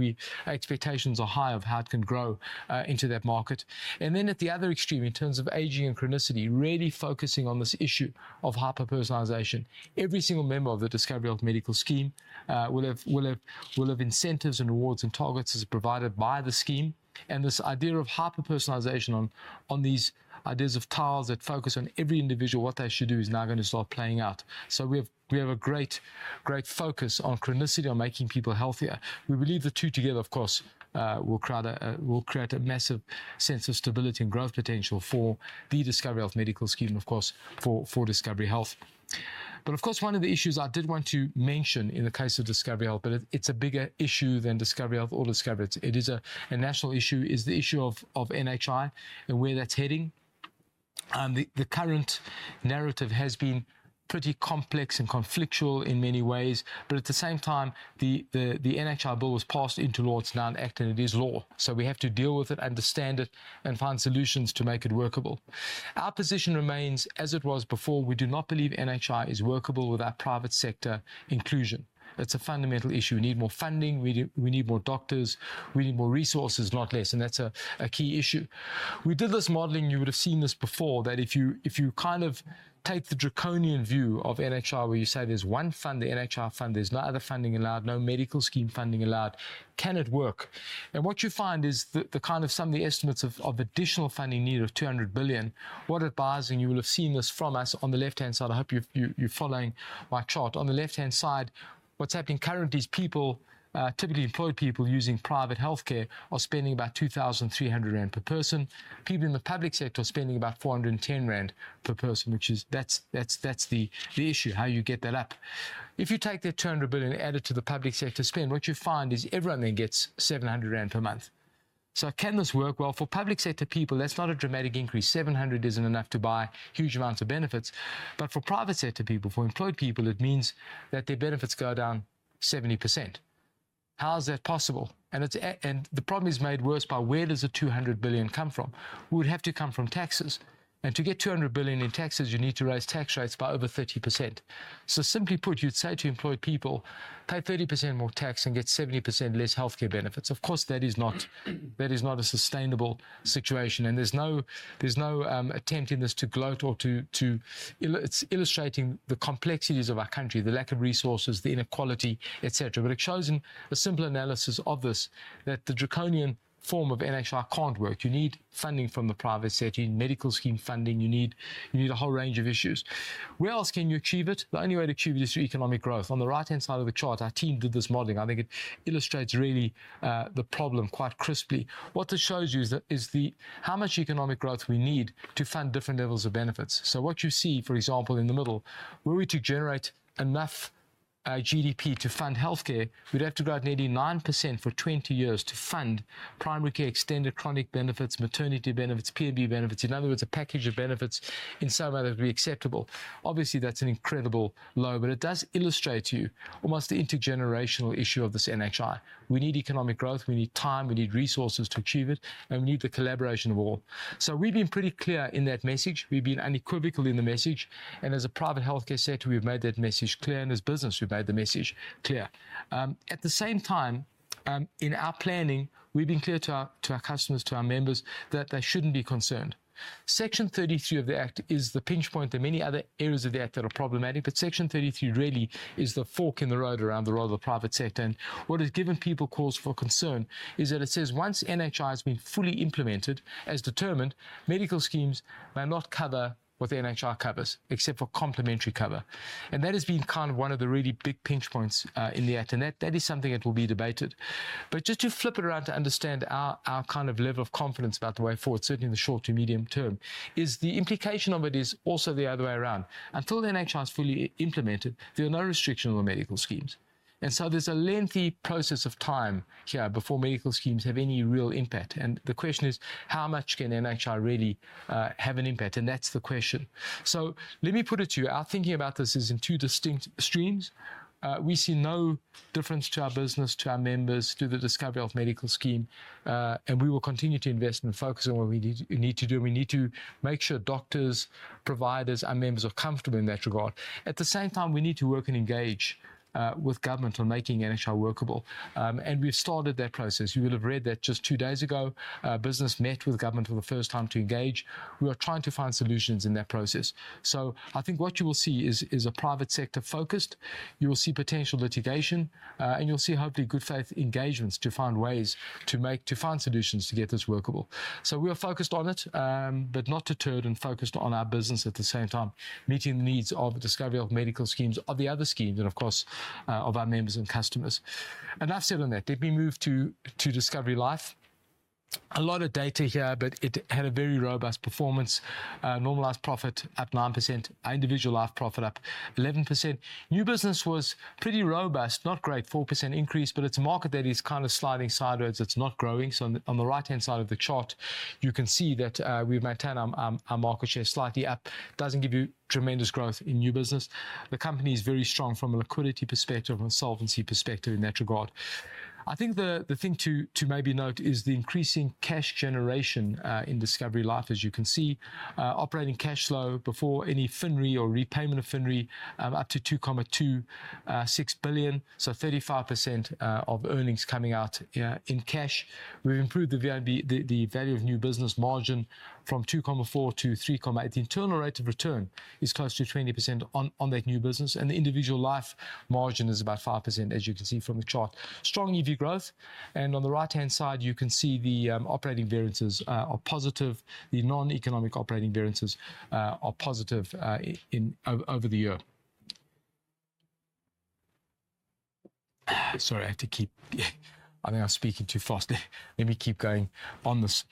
expectations are high of how it can grow into that market. Then at the other extreme, in terms of aging and chronicity, really focusing on this issue of hyper-personalization. Every single member of the Discovery Health Medical Scheme will have incentives and rewards, and targets as provided by the scheme. This idea of hyper-personalization on these ideas of tiles that focus on every individual, what they should do, is now gonna start playing out. We have a great focus on chronicity, on making people healthier. We believe the two together, of course, will create a massive sense of stability and growth potential for the Discovery Health Medical Scheme, of course, for Discovery Health. Of course, one of the issues I did want to mention in the case of Discovery Health, but it, it's a bigger issue than Discovery Health or Discovery. It is a national issue, the issue of NHI and where that's heading. The current narrative has been pretty complex and conflictual in many ways, but at the same time, the NHI Bill was passed into law. It's now an act, and it is law, so we have to deal with it, understand it, and find solutions to make it workable. Our position remains as it was before. We do not believe NHI is workable without private sector inclusion. That's a fundamental issue. We need more funding. We need more doctors, we need more resources, not less, and that's a key issue. We did this modeling, you would have seen this before, that if you kind of take the draconian view of NHI, where you say there's one fund, the NHI Fund, there's no other funding allowed, no medical scheme funding allowed, can it work? And what you find is some of the estimates of additional funding need of 200 billion. We've been advising, you will have seen this from us on the left-hand side, I hope you're following my chart. On the left-hand side, what's happening currently is people, typically employed people using private healthcare, are spending about 2,300 rand per person. People in the public sector are spending about 410 rand per person, which is. That's the issue, how you get that up. If you take that 200 billion and add it to the public sector spend, what you find is everyone then gets 700 rand per month. So can this work? Well, for public sector people, that's not a dramatic increase. 700 isn't enough to buy huge amounts of benefits. But for private sector people, for employed people, it means that their benefits go down 70%. How is that possible? And the problem is made worse by where does the 200 billion come from? It would have to come from taxes. And to get 200 billion in taxes, you need to raise tax rates by over 30%. So simply put, you'd say to employed people, "Pay 30% more tax and get 70% less healthcare benefits." Of course, that is not, that is not a sustainable situation. And there's no attempt in this to gloat or to illustrate. It's illustrating the complexities of our country, the lack of resources, the inequality, et cetera. But it shows in a simple analysis of this, that the draconian form of NHI can't work. You need funding from the private sector, you need medical scheme funding, you need a whole range of issues. Where else can you achieve it? The only way to achieve it is through economic growth. On the right-hand side of the chart, our team did this modeling. I think it illustrates really the problem quite crisply. What this shows you is the... How much economic growth we need to fund different levels of benefits. So what you see, for example, in the middle, were we to generate enough GDP to fund healthcare, we'd have to grow at nearly 9% for 20 years to fund primary care, extended chronic benefits, maternity benefits, PMB benefits. In other words, a package of benefits in some way that would be acceptable. Obviously, that's an incredible low, but it does illustrate to you almost the intergenerational issue of this NHI. We need economic growth, we need time, we need resources to achieve it, and we need the collaboration of all. So we've been pretty clear in that message. We've been unequivocal in the message, and as a private healthcare sector, we've made that message clear, and as a business, we've made the message clear. At the same time, in our planning, we've been clear to our customers, to our members, that they shouldn't be concerned. Section 33 of the act is the pinch point. There are many other areas of the act that are problematic, but Section 33 really is the fork in the road around the role of the private sector. And what has given people cause for concern is that it says, "Once NHI has been fully implemented as determined, medical schemes may not cover what the NHI covers, except for complementary cover." And that has been kind of one of the really big pinch points in the act, and that is something that will be debated. But just to flip it around to understand our kind of level of confidence about the way forward, certainly in the short to medium term, is the implication of it is also the other way around. Until the NHI is fully implemented, there are no restrictions on the medical schemes, and so there's a lengthy process of time here before medical schemes have any real impact, and the question is: How much can NHI really have an impact? That's the question, so let me put it to you. Our thinking about this is in two distinct streams. We see no difference to our business, to our members, to the Discovery Health Medical Scheme, and we will continue to invest and focus on what we need to do. We need to make sure doctors, providers, our members are comfortable in that regard. At the same time, we need to work and engage with government on making NHI workable. And we've started that process. You will have read that just two days ago, business met with government for the first time to engage. We are trying to find solutions in that process. So I think what you will see is a private sector focused, you will see potential litigation, and you'll see hopefully good faith engagements to find ways to find solutions to get this workable. So we are focused on it, but not deterred, and focused on our business at the same time, meeting the needs of Discovery Health Medical Schemes, of the other schemes, and of course, of our members and customers. Enough said on that. Let me move to Discovery Life. A lot of data here, but it had a very robust performance. Normalized profit up 9%, individual life profit up 11%. New business was pretty robust, not great, 4% increase, but it's a market that is kind of sliding sideways. It's not growing. So on the right-hand side of the chart, you can see that, we've maintained our market share slightly up. Doesn't give you tremendous growth in new business. The company is very strong from a liquidity perspective, from a solvency perspective in that regard. I think the thing to maybe note is the increasing cash generation in Discovery Life. As you can see, operating cash flow before any FinRe or repayment of FinRe up to 2.26 billion, so 35% of earnings coming out in cash. We've improved the VNB, the value of new business margin from 2.4 to 3.8. The internal rate of return is close to 20% on that new business, and the individual life margin is about 5%, as you can see from the chart. Strong EV growth, and on the right-hand side, you can see the operating variances are positive. The non-economic operating variances are positive over the year. Sorry, I have to keep... I think I'm speaking too fast. Let me keep going on this.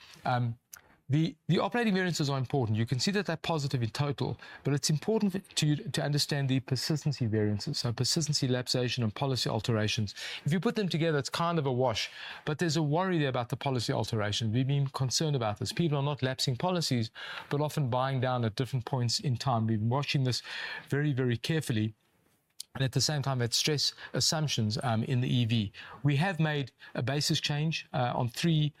The operating variances are important. You can see that they're positive in total, but it's important to understand the persistency variances, so persistency, lapsation, and policy alterations. If you put them together, it's kind of a wash, but there's a worry there about the policy alteration. We've been concerned about this. People are not lapsing policies, but often buying down at different points in time. We've been watching this very, very carefully, and at the same time, that stress assumptions in the EV. We have made a basis change on three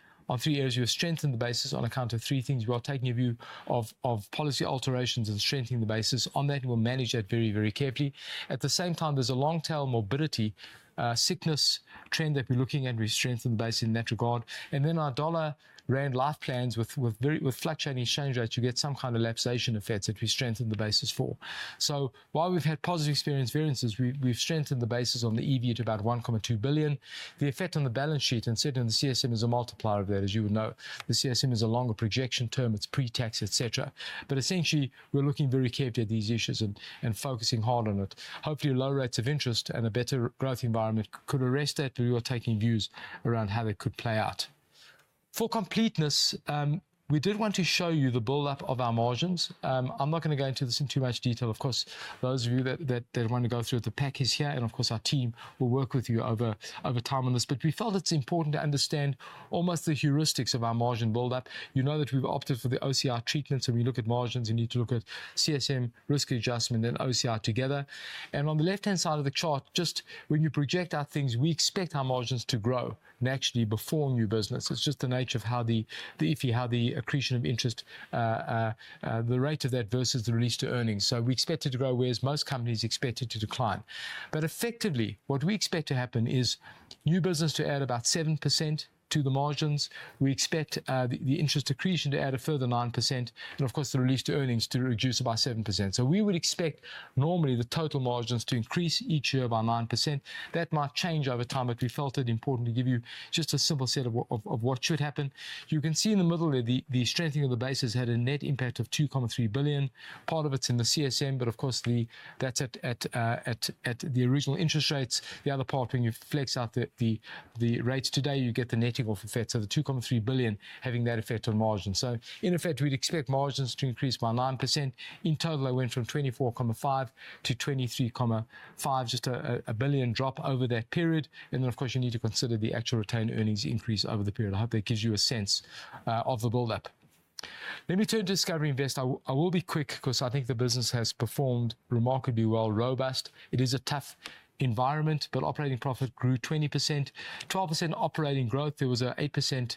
areas. We have strengthened the basis on account of three things. We are taking a view of policy alterations and strengthening the basis. On that, we'll manage that very, very carefully. At the same time, there's a long tail morbidity sickness trend that we're looking at, and we strengthened the basis in that regard. And then our dollar rand life plans with very fluctuating exchange rates, you get some kind of lapsation effects that we strengthened the basis for. So while we've had positive experience variances, we, we've strengthened the basis on the EV to about 1.2 billion. The effect on the balance sheet and certainly on the CSM is a multiplier of that, as you would know. The CSM is a longer projection term, it's pre-tax, et cetera, but essentially, we're looking very carefully at these issues and focusing hard on it. Hopefully, low rates of interest and a better growth environment could arrest that, but we are taking views around how they could play out. For completeness, we did want to show you the build-up of our margins. I'm not gonna go into this in too much detail. Of course, those of you that want to go through it, the pack is here, and of course, our team will work with you over time on this. But we felt it's important to understand almost the heuristics of our margin build-up. You know that we've opted for the OCI treatments. When we look at margins, you need to look at CSM, Risk Adjustment, then OCI together. And on the left-hand side of the chart, just when you project out things, we expect our margins to grow naturally before new business. It's just the nature of how the, the IFRS, how the accretion of interest, the rate of that versus the release to earnings. So we expect it to grow, whereas most companies expect it to decline. But effectively, what we expect to happen is new business to add about 7% to the margins. We expect the interest accretion to add a further 9%, and of course, the release to earnings to reduce by 7%. So we would expect normally the total margins to increase each year by 9%. That might change over time, but we felt it important to give you just a simple set of what should happen. You can see in the middle there, the strengthening of the base has had a net impact of 2.3 billion. Part of it's in the CSM, but of course, the... that's at the original interest rates. The other part, when you flex out the rates today, you get the netting off effect, so the 2.3 billion having that effect on margin. So in effect, we'd expect margins to increase by 9%. In total, they went from 24.5 billion-23.5 billion, just a 1 billion drop over that period. And then, of course, you need to consider the actual retained earnings increase over the period. I hope that gives you a sense of the build-up. Let me turn to Discovery Invest. I will be quick 'cause I think the business has performed remarkably well, robust. It is a tough environment, but operating profit grew 20%, 12% operating growth. There was a 8%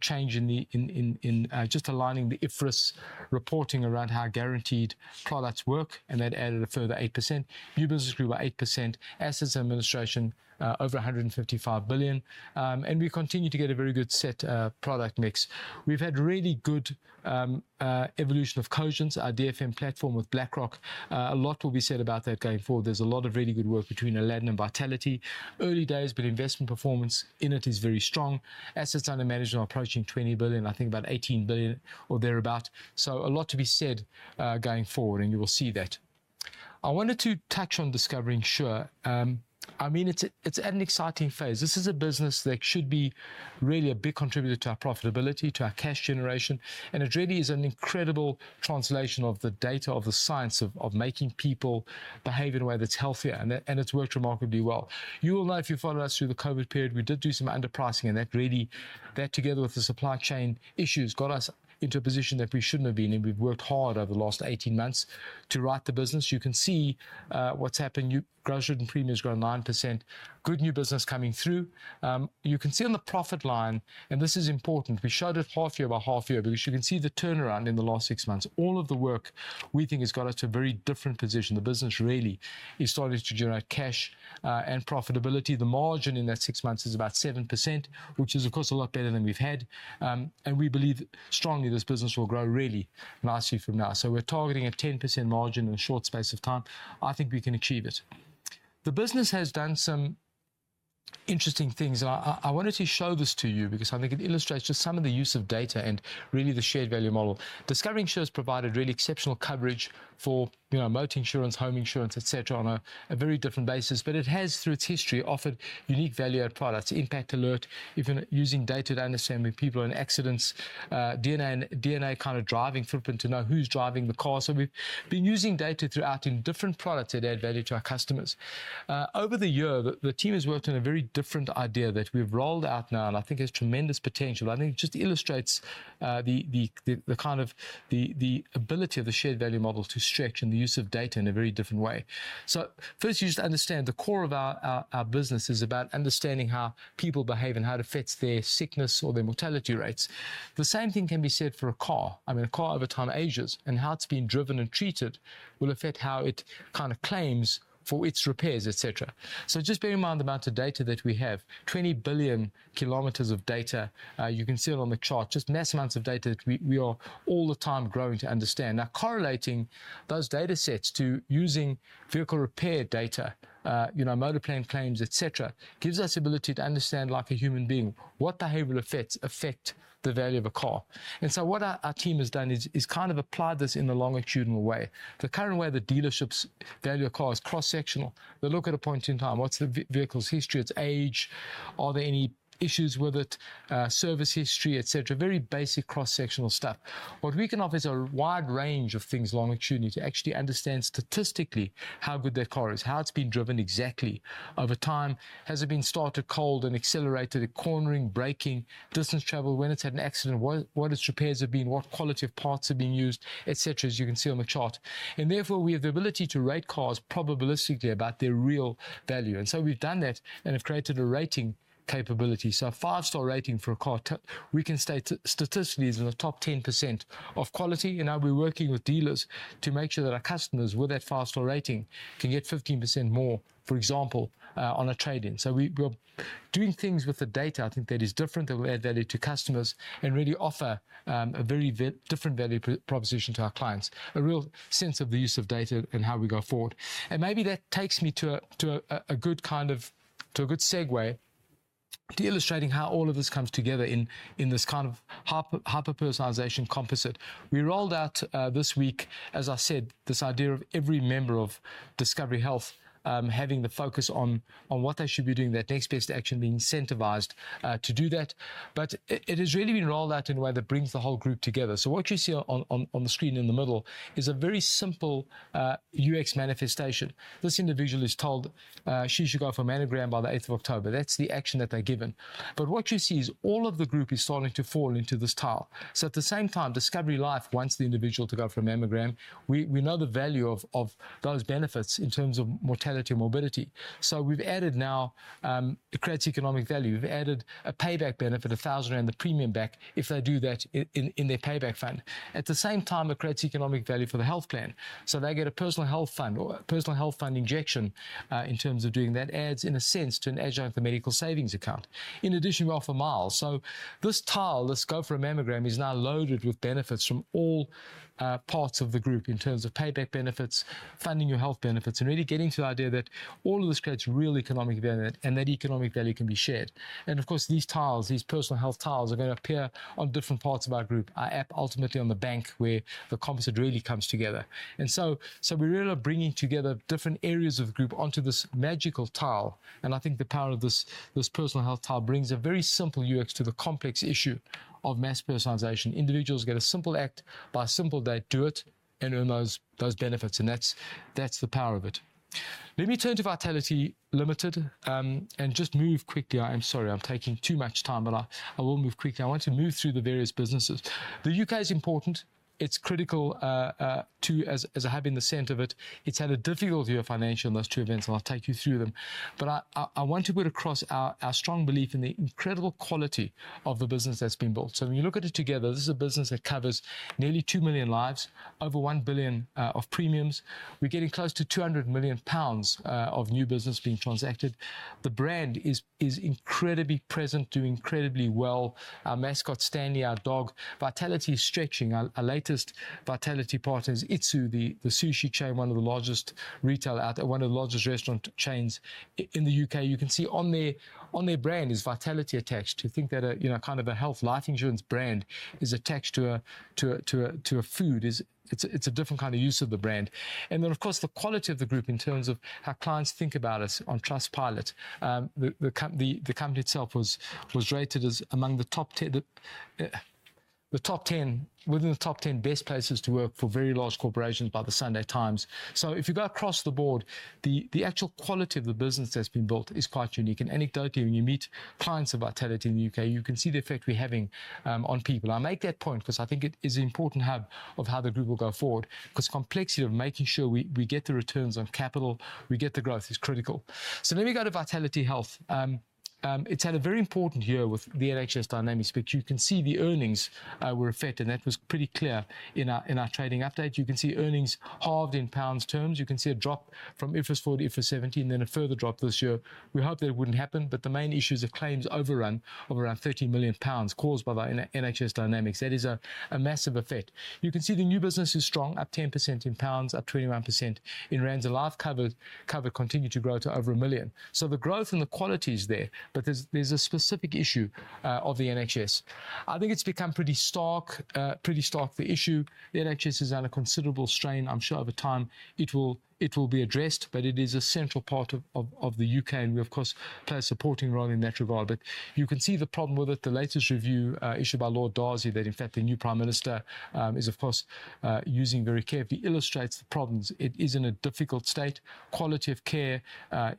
change in the just aligning the IFRS reporting around how guaranteed products work, and that added a further 8%. New business grew by 8%. Assets administration over 155 billion, and we continue to get a very good set product mix. We've had really good evolution of Cogence, our DFM platform with BlackRock. A lot will be said about that going forward. There's a lot of really good work between Aladdin and Vitality. Early days, but investment performance in it is very strong. Assets under management are approaching 20 billion, I think about 18 billion or thereabout. So a lot to be said, going forward, and you will see that. I wanted to touch on Discovery Insure. I mean, it's at an exciting phase. This is a business that should be really a big contributor to our profitability, to our cash generation, and it really is an incredible translation of the data, of the science, of making people behave in a way that's healthier, and it's worked remarkably well. You will know, if you followed us through the COVID period, we did do some underpricing, and that really, that together with the supply chain issues, got us into a position that we shouldn't have been in. We've worked hard over the last 18 months to right the business. You can see what's happened. New gross written premium has grown 9%. Good new business coming through. You can see on the profit line, and this is important, we showed it half year by half year, because you can see the turnaround in the last six months. All of the work we think has got us to a very different position. The business really is starting to generate cash and profitability. The margin in that six months is about 7%, which is, of course, a lot better than we've had. And we believe strongly this business will grow really nicely from now. So we're targeting a 10% margin in a short space of time. I think we can achieve it. The business has done some interesting things. I wanted to show this to you because I think it illustrates just some of the use of data and really the shared value model. Discovery Insure has provided really exceptional coverage for, you know, motor insurance, home insurance, et cetera, on a very different basis. But it has, through its history, offered unique value-add products, Impact Alert, even using data to understand when people are in accidents, DNA kind of driving footprint to know who's driving the car. So we've been using data throughout in different products to add value to our customers. Over the year, the team has worked on a very different idea that we've rolled out now, and I think it has tremendous potential. I think it just illustrates the kind of ability of the shared value model to stretch and the use of data in a very different way. So first, you just understand the core of our business is about understanding how people behave and how it affects their sickness or their mortality rates. The same thing can be said for a car. I mean, a car over time ages, and how it's being driven and treated will affect how it kind of claims for its repairs, et cetera. So just bear in mind the amount of data that we have, 20 billion kilometers of data. You can see it on the chart, just mass amounts of data that we are all the time growing to understand. Now, correlating those datasets to using vehicle repair data, you know, motor plan claims, et cetera, gives us ability to understand, like a human being, what behavioral effects affect the value of a car. And so what our team has done is kind of applied this in a longitudinal way. The current way that dealerships value a car is cross-sectional. They look at a point in time. What's the vehicle's history, its age? Are there any issues with it, service history, et cetera? Very basic cross-sectional stuff. What we can offer is a wide range of things longitudinally to actually understand statistically how good that car is, how it's been driven exactly over time. Has it been started cold and accelerated? The cornering, braking, distance traveled, when it's had an accident, what its repairs have been, what quality of parts are being used, et cetera, as you can see on the chart. Therefore, we have the ability to rate cars probabilistically about their real value. So we've done that and have created a rating capability. A five-star rating for a car we can state statistically is in the top 10% of quality. Now we're working with dealers to make sure that our customers with that five-star rating can get 15% more, for example, on a trade-in. So we're doing things with the data I think that is different, that will add value to customers and really offer a very different value proposition to our clients, a real sense of the use of data and how we go forward. And maybe that takes me to a good segue to illustrating how all of this comes together in this kind of hyperpersonalization composite. We rolled out this week, as I said, this idea of every member of Discovery Health having the focus on what they should be doing, their next best action, being incentivized to do that. But it has really been rolled out in a way that brings the whole group together. So what you see on the screen in the middle is a very simple UX manifestation. This individual is told she should go for a mammogram by the eighth of October. That's the action that they're given. But what you see is all of the group is starting to fall into this tile. So at the same time, Discovery Life wants the individual to go for a mammogram. We know the value of those benefits in terms of mortality and morbidity. So we've added now. It creates economic value. We've added a Payback benefit, 1,000 rand, the premium back, if they do that in their Payback fund. At the same time, it creates economic value for the health plan, so they get a Personal Health Fund or a Personal Health Fund injection in terms of doing that. Adds, in a sense, to an adjunct of the Medical Savings Account. In addition, we offer miles. So this tile, this go for a mammogram, is now loaded with benefits from all parts of the group in terms of payback benefits, funding your health benefits, and really getting to the idea that all of this creates real economic value, and that economic value can be shared, and of course, these tiles, these personal health tiles, are gonna appear on different parts of our group, our app ultimately on the bank, where the composite really comes together, so we really are bringing together different areas of the group onto this magical tile, and I think the power of this, this personal health tile brings a very simple UX to the complex issue of mass personalization. Individuals get a simple act. By simply, they do it and earn those benefits, and that's the power of it. Let me turn to Vitality Limited, and just move quickly. I am sorry I'm taking too much time, but I will move quickly. I want to move through the various businesses. The U.K. is important. It's critical to... As I have in the center of it, it's had a difficult year financially on those two events, and I'll take you through them. But I want to put across our strong belief in the incredible quality of the business that's been built. So when you look at it together, this is a business that covers nearly 2 million lives, over 1 billion of premiums. We're getting close to 200 million pounds of new business being transacted. The brand is incredibly present, doing incredibly well. Our mascot, Stanley, our dog. Vitality is stretching. Our latest Vitality partner is Itsu, the sushi chain, one of the largest restaurant chains in the U.K. You can see on their brand is Vitality attached. To think that a, you know, kind of a health life insurance brand is attached to a food is... It's a different kind of use of the brand. And then, of course, the quality of the group in terms of how clients think about us on Trustpilot. The company itself was rated as among the top ten... within the top ten best places to work for very large corporations by the Sunday Times. So if you go across the board, the actual quality of the business that's been built is quite unique. And anecdotally, when you meet clients of Vitality in the U.K., you can see the effect we're having on people. I make that point because I think it is an important hub of how the group will go forward, because complexity of making sure we get the returns on capital, we get the growth, is critical. So let me go to Vitality Health. It's had a very important year with the NHS dynamics, but you can see the earnings were affected, and that was pretty clear in our trading update. You can see earnings halved in pounds terms. You can see a drop from IFRS 14-17, then a further drop this year. We hoped that it wouldn't happen, but the main issue is a claims overrun of around 30 million pounds caused by the NHS dynamics. That is a massive effect. You can see the new business is strong, up 10% in pounds, up 21% in rand. The life cover continued to grow to over 1 million. So the growth and the quality is there, but there's a specific issue of the NHS. I think it's become pretty stark, the issue. The NHS is under considerable strain. I'm sure over time it will be addressed, but it is a central part of the U.K., and we, of course, play a supporting role in that regard. But you can see the problem with it. The latest review issued by Lord Darzi, that in fact, the new Prime Minister is of course using very carefully, illustrates the problems. It is in a difficult state. Quality of care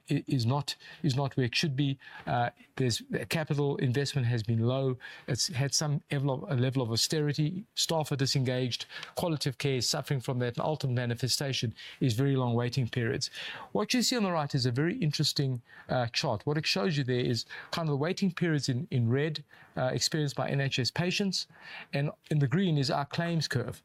is not where it should be. There's capital investment has been low. It's had some level of austerity. Staff are disengaged. Quality of care is suffering from that, and the ultimate manifestation is very long waiting periods. What you see on the right is a very interesting chart. What it shows you there is kind of the waiting periods in red experienced by NHS patients, and in the green is our claims curve.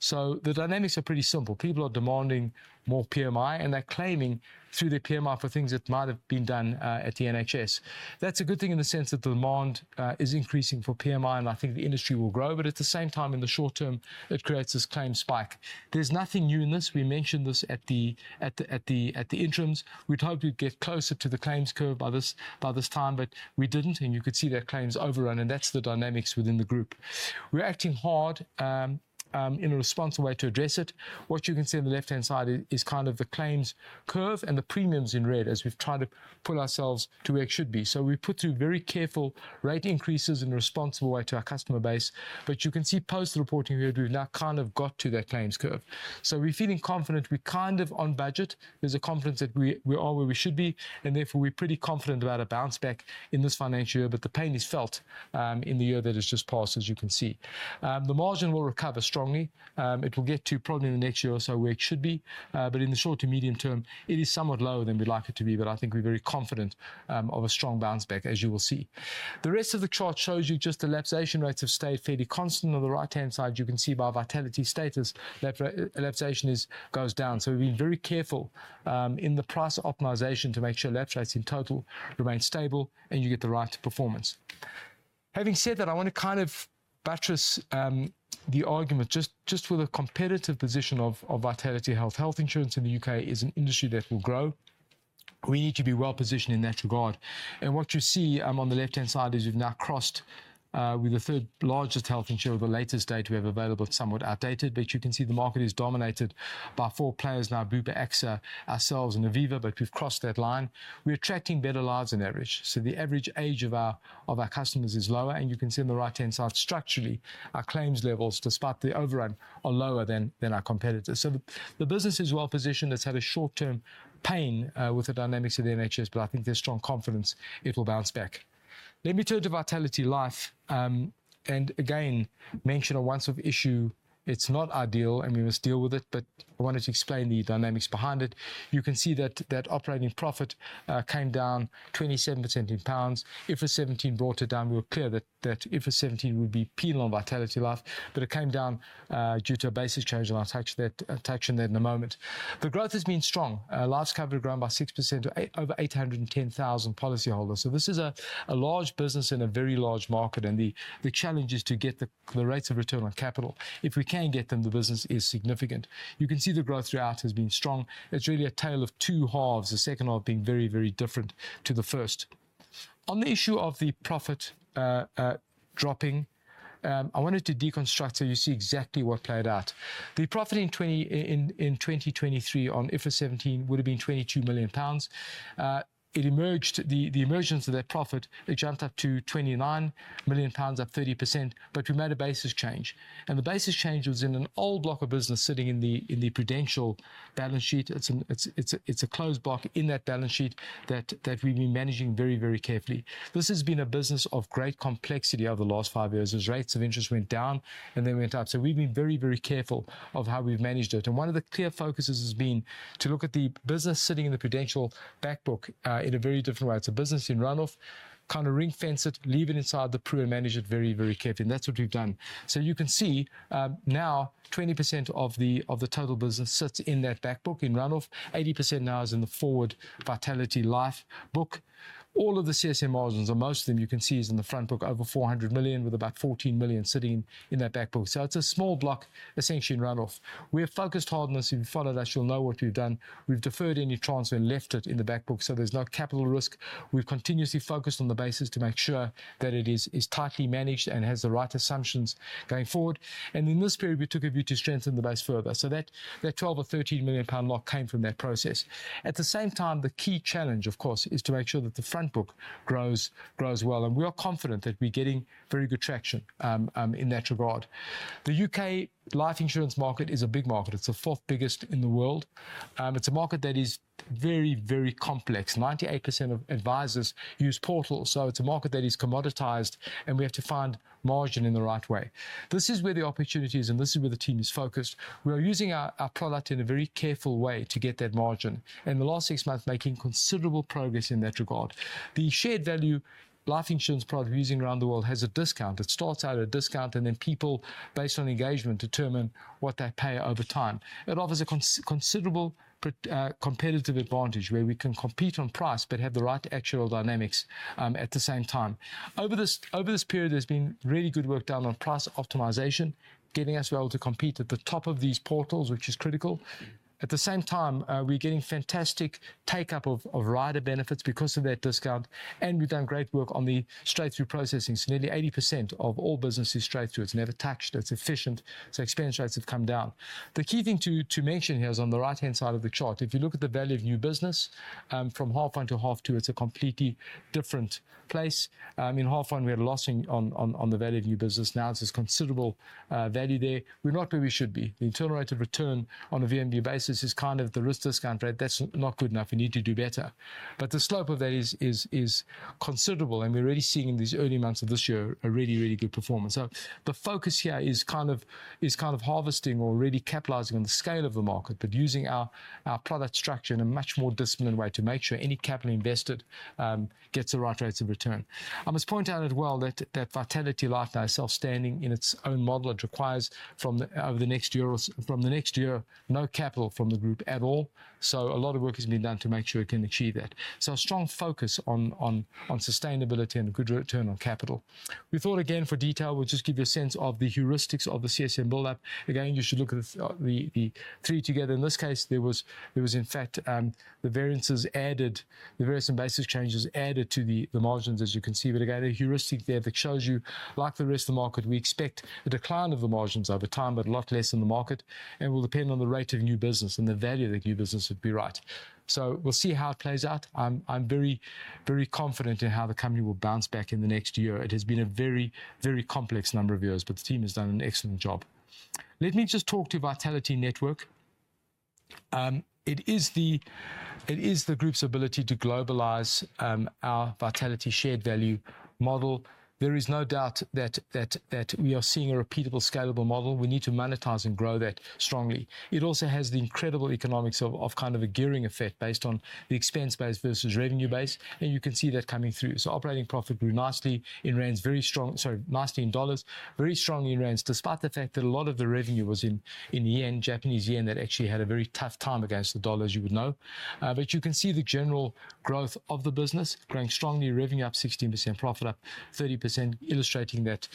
So the dynamics are pretty simple. People are demanding more PMI, and they're claiming through their PMI for things that might have been done at the NHS. That's a good thing in the sense that the demand is increasing for PMI, and I think the industry will grow, but at the same time, in the short term, it creates this claims spike. There's nothing new in this. We mentioned this at the interims. We'd hoped we'd get closer to the claims curve by this time, but we didn't, and you could see that claims overrun, and that's the dynamics within the group. We're acting hard in a responsible way to address it. What you can see on the left-hand side is kind of the claims curve and the premiums in red as we've tried to pull ourselves to where it should be. So we've put through very careful rate increases in a responsible way to our customer base. But you can see post-reporting period, we've now kind of got to that claims curve. So we're feeling confident. We're kind of on budget. There's a confidence that we are where we should be, and therefore, we're pretty confident about a bounce back in this financial year. But the pain is felt in the year that has just passed, as you can see. The margin will recover strongly. It will get to probably in the next year or so, where it should be. But in the short to medium term, it is somewhat lower than we'd like it to be, but I think we're very confident of a strong bounce back, as you will see. The rest of the chart shows you just the lapse rates have stayed fairly constant. On the right-hand side, you can see by Vitality Status, lapse rates goes down. So we've been very careful in the price optimization to make sure lapse rates in total remain stable and you get the right performance. Having said that, I want to kind of buttress the argument just with the competitive position of Vitality Health. Health insurance in the U.K. is an industry that will grow. We need to be well-positioned in that regard. And what you see on the left-hand side is we've now crossed; we're the third largest health insurer of the latest data we have available. It's somewhat outdated, but you can see the market is dominated by four players now: Bupa, AXA, ourselves, and Aviva, but we've crossed that line. We're attracting better lives on average. So the average age of our customers is lower, and you can see on the right-hand side, structurally, our claims levels, despite the overrun, are lower than our competitors. So the business is well positioned. It's had a short-term pain with the dynamics of the NHS, but I think there's strong confidence it will bounce back. Let me turn to Vitality Life, and again, mention a once-off issue. It's not ideal, and we must deal with it, but I wanted to explain the dynamics behind it. You can see that operating profit came down 27% in pounds. IFRS 17 brought it down. We were clear that IFRS 17 would be painful on Vitality Life, but it came down due to a basis change, and I'll touch on that in a moment. The growth has been strong. Lives cover has grown by 6% to over 810,000 policyholders. So this is a large business in a very large market, and the challenge is to get the rates of return on capital. If we can get them, the business is significant. You can see the growth throughout has been strong. It's really a tale of two halves, the second half being very, very different to the first. On the issue of the profit dropping, I wanted to deconstruct so you see exactly what played out. The profit in 2023 on IFRS 17 would have been GBP 22 million. It emerged, the emergence of that profit, it jumped up to 29 million pounds, up 30%, but we made a basis change. The basis change was in an old block of business sitting in the Prudential balance sheet. It's a closed block in that balance sheet that we've been managing very carefully. This has been a business of great complexity over the last five years. As rates of interest went down and then went up. We've been very careful of how we've managed it, and one of the clear focuses has been to look at the business sitting in the Prudential back book in a very different way. It's a business in run-off. Kind of ring-fence it, leave it inside the Pru, and manage it very carefully, and that's what we've done. You can see now 20% of the total business sits in that back book in run-off. 80% now is in the forward Vitality Life book. All of the CSM margins, or most of them, you can see, is in the front book, over 400 million, with about 14 million sitting in that back book. So it's a small block, essentially in run-off. We have focused hard on this. If you've followed us, you'll know what we've done. We've deferred any transfer and left it in the back book, so there's no capital risk. We've continuously focused on the basis to make sure that it is tightly managed and has the right assumptions going forward. And in this period, we took a view to strengthen the base further. So that 12 million or 13 million pound block came from that process. At the same time, the key challenge, of course, is to make sure that the front book grows well, and we are confident that we're getting very good traction in that regard. The UK life insurance market is a big market. It's the fourth biggest in the world. It's a market that is very, very complex. 98% of advisors use portals, so it's a market that is commoditized, and we have to find margin in the right way. This is where the opportunity is, and this is where the team is focused. We are using our product in a very careful way to get that margin; in the last six months, making considerable progress in that regard. The shared value life insurance product we're using around the world has a discount. It starts out at a discount, and then people, based on engagement, determine what they pay over time. It offers a considerable competitive advantage, where we can compete on price but have the right actuarial dynamics, at the same time. Over this period, there's been really good work done on price optimization, getting us to be able to compete at the top of these portals, which is critical. At the same time, we're getting fantastic take-up of rider benefits because of that discount, and we've done great work on the straight-through processing. So nearly 80% of all business is straight through. It's never touched, it's efficient, so expense rates have come down. The key thing to mention here is on the right-hand side of the chart. If you look at the value of new business, from half one to half two, it's a completely different place. In half one, we are losing on the value of new business. Now there's considerable value there. We're not where we should be. The internal rate of return on a VNB basis is kind of the risk discount rate. That's not good enough. We need to do better. But the slope of that is considerable, and we're already seeing, in these early months of this year, a really, really good performance. So the focus here is kind of harvesting or really capitalizing on the scale of the market, but using our product structure in a much more disciplined way to make sure any capital invested gets the right rates of return. I must point out as well that Vitality Life now is self-standing in its own model. It requires from the over the next year or from the next year, no capital from the group at all. So a lot of work has been done to make sure it can achieve that. So a strong focus on sustainability and a good return on capital. We thought, again, for detail, we'll just give you a sense of the heuristics of the CSM build-up. Again, you should look at the three together. In this case, there was, in fact, the variances added, the variance and basis changes added to the margins, as you can see. But again, the heuristic there that shows you, like the rest of the market, we expect a decline of the margins over time, but a lot less than the market, and will depend on the rate of new business, and the value of the new business would be right. So we'll see how it plays out. I'm very, very confident in how the company will bounce back in the next year. It has been a very, very complex number of years, but the team has done an excellent job. Let me just talk to Vitality Network. It is the group's ability to globalize our Vitality shared value model. There is no doubt that we are seeing a repeatable, scalable model. We need to monetize and grow that strongly. It also has the incredible economics of kind of a gearing effect based on the expense base versus revenue base, and you can see that coming through. So operating profit grew nicely in rands, very strong. Sorry, nicely in dollars, very strongly in rands, despite the fact that a lot of the revenue was in yen, Japanese yen, that actually had a very tough time against the dollar, as you would know. But you can see the general growth of the business, growing strongly, revenue up 16%, profit up 30%, illustrating that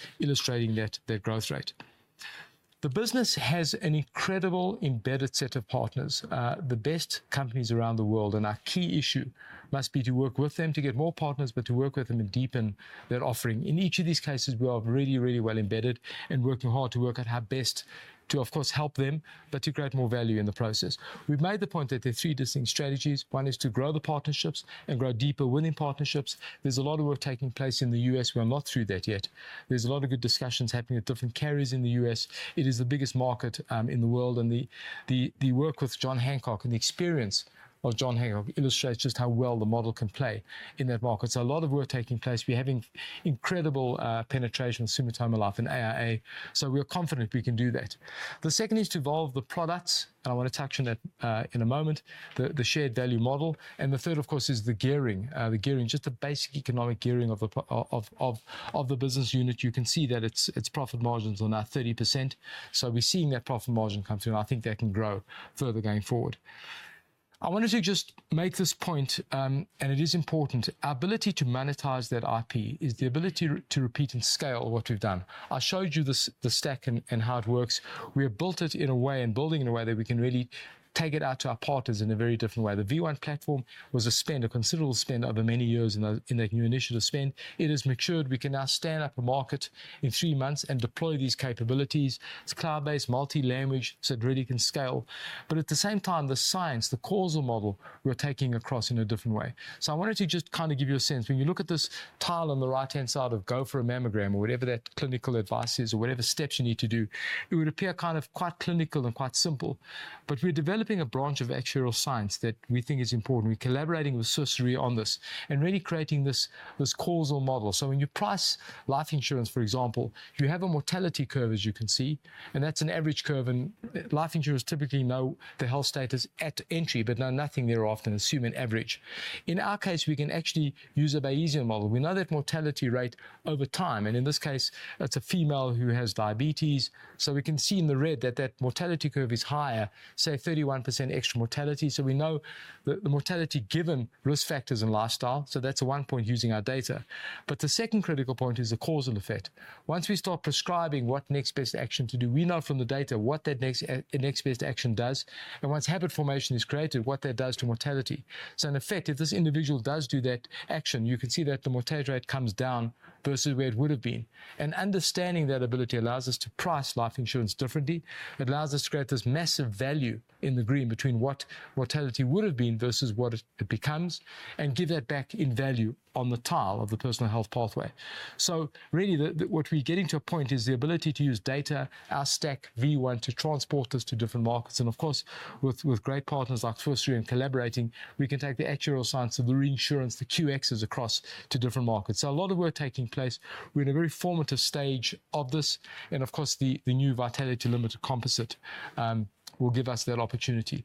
growth rate. The business has an incredible embedded set of partners, the best companies around the world, and our key issue must be to work with them to get more partners, but to work with them and deepen their offering. In each of these cases, we are really, really well embedded and working hard to work out how best to, of course, help them, but to create more value in the process. We've made the point that there are three distinct strategies. One is to grow the partnerships and grow deeper winning partnerships. There's a lot of work taking place in the U.S.. We are not through that yet. There's a lot of good discussions happening with different carriers in the U.S.. It is the biggest market in the world, and the work with John Hancock and the experience of John Hancock illustrates just how well the model can play in that market. So a lot of work taking place. We're having incredible penetration, Sumitomo Life and AIA, so we are confident we can do that. The second is to evolve the products, and I want to touch on that in a moment, the shared value model. The third, of course, is the gearing, just the basic economic gearing of the business unit. You can see that its profit margins are now 30%, so we're seeing that profit margin come through, and I think that can grow further going forward. I wanted to just make this point, and it is important. Our ability to monetize that IP is the ability to repeat and scale what we've done. I showed you the stack and how it works. We have built it in a way, and building in a way, that we can really take it out to our partners in a very different way. The V1 platform was a spend, a considerable spend, over many years in the, in that new initial spend. It has matured. We can now stand up a market in three months and deploy these capabilities. It's cloud-based, multi-language, so it really can scale. But at the same time, the science, the causal model, we're taking across in a different way. I wanted to just kind of give you a sense. When you look at this tile on the right-hand side of go for a mammogram, or whatever that clinical advice is, or whatever steps you need to do, it would appear kind of quite clinical and quite simple. But we're developing a branch of actuarial science that we think is important. We're collaborating with Swiss Re on this and really creating this, this causal model. When you price life insurance, for example, you have a mortality curve, as you can see, and that's an average curve, and life insurers typically know the health status at entry but know nothing thereafter and assume an average. In our case, we can actually use a Bayesian model. We know that mortality rate over time, and in this case, that's a female who has diabetes. So we can see in the red that that mortality curve is higher, say, 31% extra mortality. So we know the mortality given risk factors and lifestyle, so that's one point using our data. But the second critical point is the causal effect. Once we start prescribing what next best action to do, we know from the data what that next best action does, and once habit formation is created, what that does to mortality. In effect, if this individual does do that action, you can see that the mortality rate comes down versus where it would have been. Understanding that ability allows us to price life insurance differently. It allows us to create this massive value in the green between what mortality would have been versus what it becomes, and give that back in value on the tile of the personal health pathway. Really, what we're getting to a point is the ability to use data, our stack, V1, to transport this to different markets. Of course, with great partners like Swiss Re and collaborating, we can take the actuarial science of the reinsurance, the QXs across to different markets. A lot of work taking place. We're in a very formative stage of this, and of course, the new Vitality Limited Composite will give us that opportunity.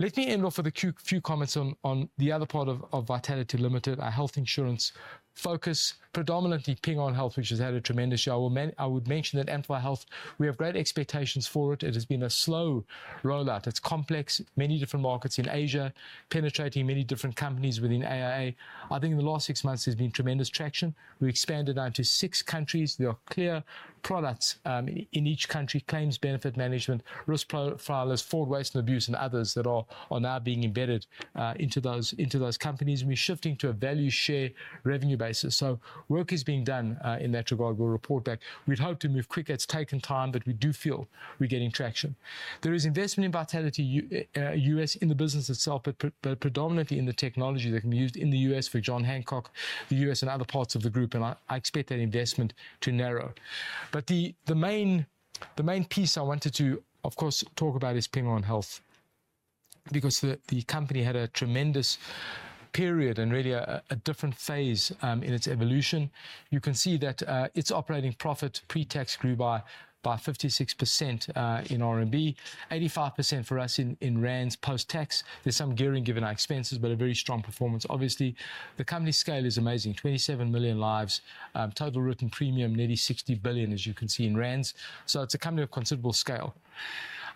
Let me end off with a few comments on the other part of Vitality Limited, our health insurance focus, predominantly Ping An Health, which has had a tremendous year. I would mention that Amplify Health, we have great expectations for it. It has been a slow rollout. It's complex, many different markets in Asia, penetrating many different companies within AIA. I think in the last six months, there's been tremendous traction. We expanded out to six countries. There are clear products in each country, claims benefit management, risk profiles, fraud, waste, and abuse, and others that are now being embedded into those companies, and we're shifting to a value share revenue basis. Work is being done in that regard. We'll report back. We'd hoped to move quicker. It's taken time, but we do feel we're getting traction. There is investment in Vitality U.S., in the business itself, but predominantly in the technology that can be used in the US for John Hancock, the U.S. and other parts of the group, and I expect that investment to narrow. The main piece I wanted to, of course, talk about is Ping An Health because the company had a tremendous period, and really a different phase in its evolution. You can see that its operating profit pre-tax grew by 56% in RMB, 85% for us in Rands post-tax. There's some gearing given our expenses, but a very strong performance. Obviously, the company's scale is amazing, 27 million lives. Total written premium, nearly 60 billion, as you can see, in Rands. So it's a company of considerable scale.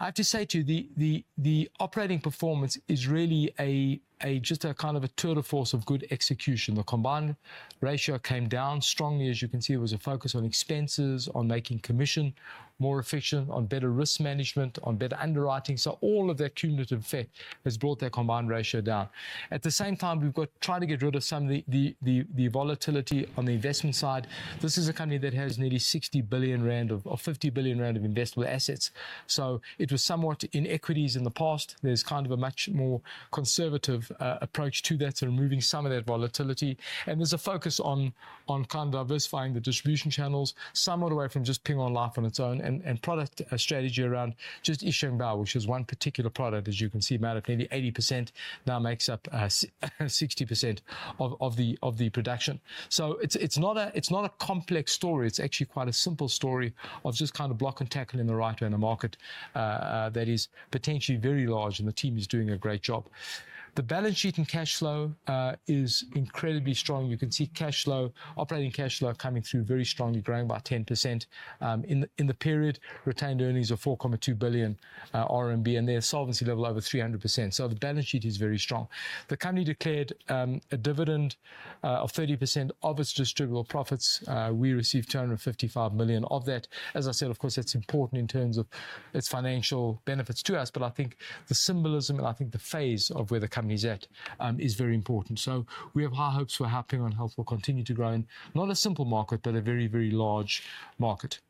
I have to say to you, the operating performance is really a just a kind of a tour de force of good execution. The combined ratio came down strongly, as you can see. It was a focus on expenses, on making commission more efficient, on better risk management, on better underwriting. So all of that cumulative effect has brought that combined ratio down. At the same time, we've got... Trying to get rid of some of the volatility on the investment side. This is a company that has nearly 60 billion rand, or 50 billion rand, of investable assets. So it was somewhat in equities in the past. There's kind of a much more conservative approach to that, so removing some of that volatility, and there's a focus on kind of diversifying the distribution channels, somewhat away from just Ping An Life on its own, and product strategy around just Shengbao, which is one particular product, as you can see, made up nearly 80%, now makes up 60% of the production. So it's not a complex story. It's actually quite a simple story of just kind of block and tackle in the right way in a market that is potentially very large, and the team is doing a great job. The balance sheet and cash flow is incredibly strong. You can see cash flow, operating cash flow coming through very strongly, growing by 10%. In the period, retained earnings are 4.2 billion RMB, and their solvency level over 300%. So the balance sheet is very strong. The company declared a dividend of 30% of its distributable profits. We received 255 million of that. As I said, of course, that's important in terms of its financial benefits to us, but I think the symbolism and I think the phase of where the company's at is very important. So we have high hopes for how Ping An Health will continue to grow, and not a simple market, but a very, very large market.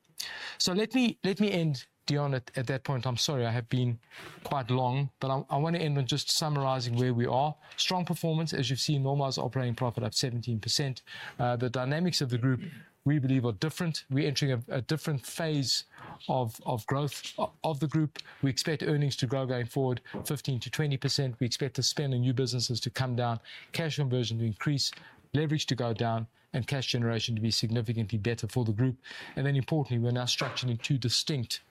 So let me end, Deon, at that point. I'm sorry I have been quite long, but I wanna end on just summarizing where we are. Strong performance, as you've seen, normalized operating profit up 17%. The dynamics of the group, we believe, are different. We're entering a different phase of growth of the group. We expect earnings to grow going forward 15%-20%. We expect the spend on new businesses to come down, cash conversion to increase, leverage to go down, and cash generation to be significantly better for the group, and then importantly, we're now structuring two distinct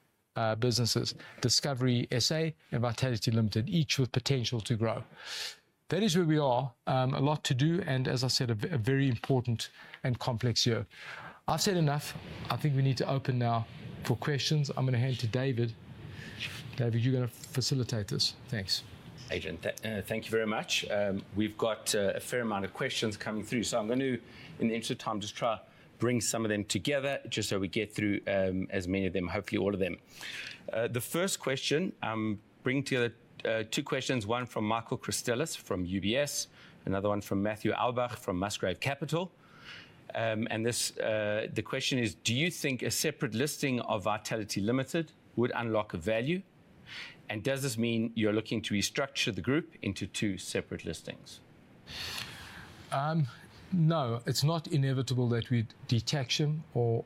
businesses, Discovery SA and Vitality Limited, each with potential to grow. That is where we are. A lot to do, and as I said, a very important and complex year. I've said enough. I think we need to open now for questions. I'm gonna hand to David. David, you're gonna facilitate this. Thanks. Adrian, thank you very much. We've got a fair amount of questions coming through, so I'm going to, in the interest of time, just try to bring some of them together just so we get through as many of them, hopefully all of them. The first question, I'm bringing together two questions, one from Michael Christelis from UBS, another one from Matthew Aulbach from Musgrave Capital. And this... The question is: Do you think a separate listing of Vitality Limited would unlock value, and does this mean you're looking to restructure the group into two separate listings? No, it's not inevitable that we detach them or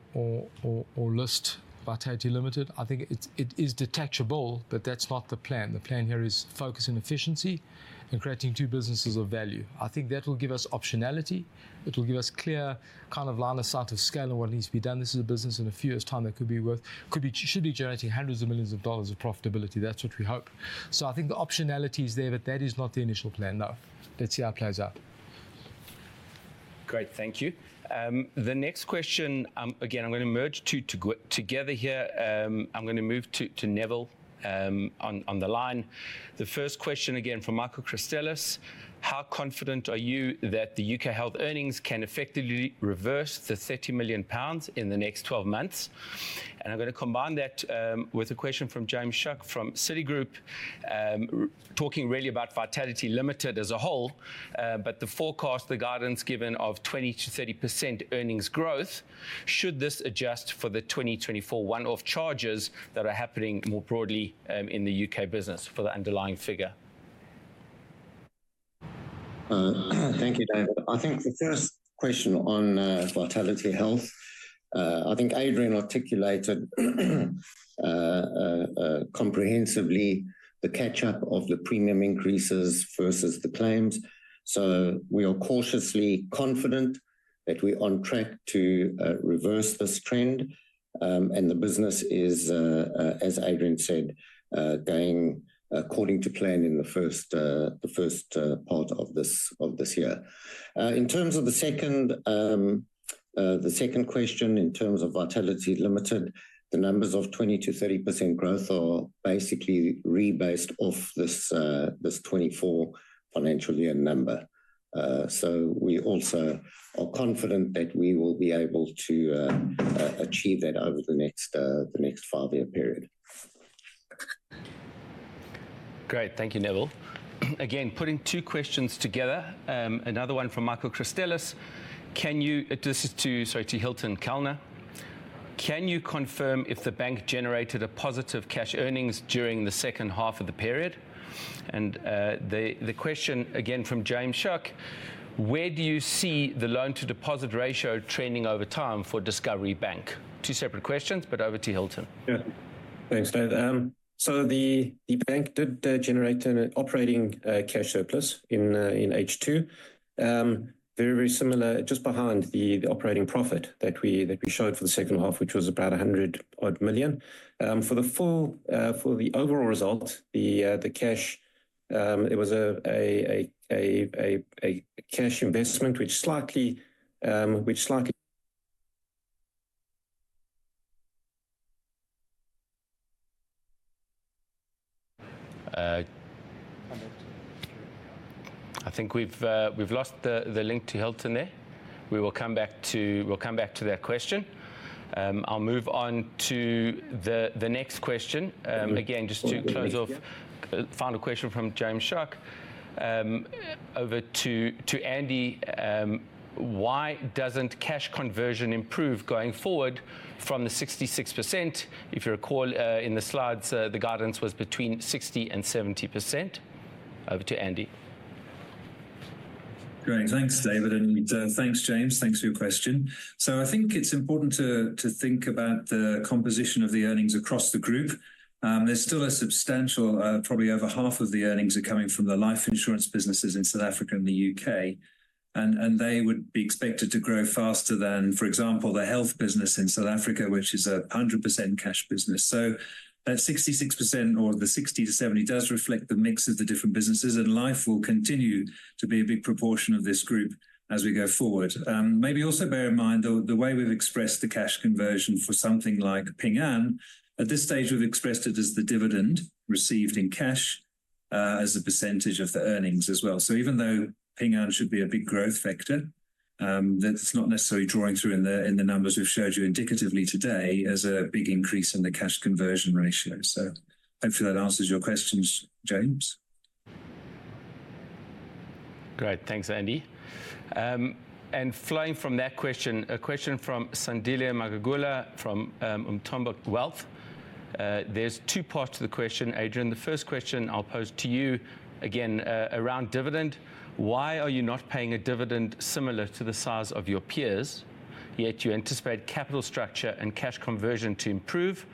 list Vitality Limited. I think it is detachable, but that's not the plan. The plan here is focus on efficiency and creating two businesses of value. I think that will give us optionality. It will give us clear kind of line of sight of scale and what needs to be done. This is a business in the fewest time that could be, should be generating hundreds of millions of dollars of profitability. That's what we hope. I think the optionality is there, but that is not the initial plan, no. Let's see how it plays out. Great. Thank you. The next question, again, I'm gonna merge two together here. I'm gonna move to, to Neville, on, on the line. The first question, again from Michael Christelis: How confident are you that the UK health earnings can effectively reverse the 30 million pounds in the next 12 months? And I'm gonna combine that, with a question from James Schuck from Citigroup, talking really about Vitality Limited as a whole. But the forecast, the guidance given of 20%-30% earnings growth, should this adjust for the 2024 one-off charges that are happening more broadly, in the UK business for the underlying figure? Thank you, David. I think the first question on Vitality Health, I think Adrian articulated comprehensively the catch-up of the premium increases versus the claims. So we are cautiously confident that we're on track to reverse this trend. And the business is, as Adrian said, going according to plan in the first part of this year. In terms of the second question, in terms of Vitality Limited, the numbers of 20%-30% growth are basically rebased off this 2024 financial year number. So we also are confident that we will be able to achieve that over the next five-year period. Great. Thank you, Neville. Again, putting two questions together, another one from Michael Christelis. This is to, sorry, to Hylton Kallner. Can you confirm if the bank generated a positive cash earnings during the second half of the period? And the question again from James Shuck: Where do you see the loan-to-deposit ratio trending over time for Discovery Bank? Two separate questions, but over to Hylton. Yeah. Thanks, David. So the bank did generate an operating cash surplus in H2. Very similar, just behind the operating profit that we showed for the second half, which was about 100-odd million. For the full, for the overall result, the cash, it was a cash investment which slightly, which slightly. I think we've lost the link to Hylton there. We will come back to that question. I'll move on to the next question. Okay. Again, just to close off- Yeah... final question from James Shuck. Over to Andy: Why doesn't cash conversion improve going forward from the 66%? If you recall, in the slides, the guidance was between 60% and 70%. Over to Andy. Great. Thanks, David, and thanks, James. Thanks for your question. So I think it's important to think about the composition of the earnings across the group. There's still a substantial probably over half of the earnings are coming from the life insurance businesses in South Africa and the UK, and they would be expected to grow faster than, for example, the health business in South Africa, which is 100% cash business. So 66% or the 60%-70% does reflect the mix of the different businesses, and life will continue to be a big proportion of this group as we go forward. Maybe also bear in mind, though, the way we've expressed the cash conversion for something like Ping An, at this stage, we've expressed it as the dividend received in cash, as a percentage of the earnings as well. So even though Ping An should be a big growth factor, that's not necessarily drawing through in the numbers we've showed you indicatively today as a big increase in the cash conversion ratio. So hopefully that answers your questions, James. Great. Thanks, Andy, and flowing from that question, a question from Sandile Magagula from Umthombo Wealth. There's two parts to the question. Adrian, the first question I'll pose to you, again, around dividend: Why are you not paying a dividend similar to the size of your peers, yet you anticipate capital structure and cash conversion to improve?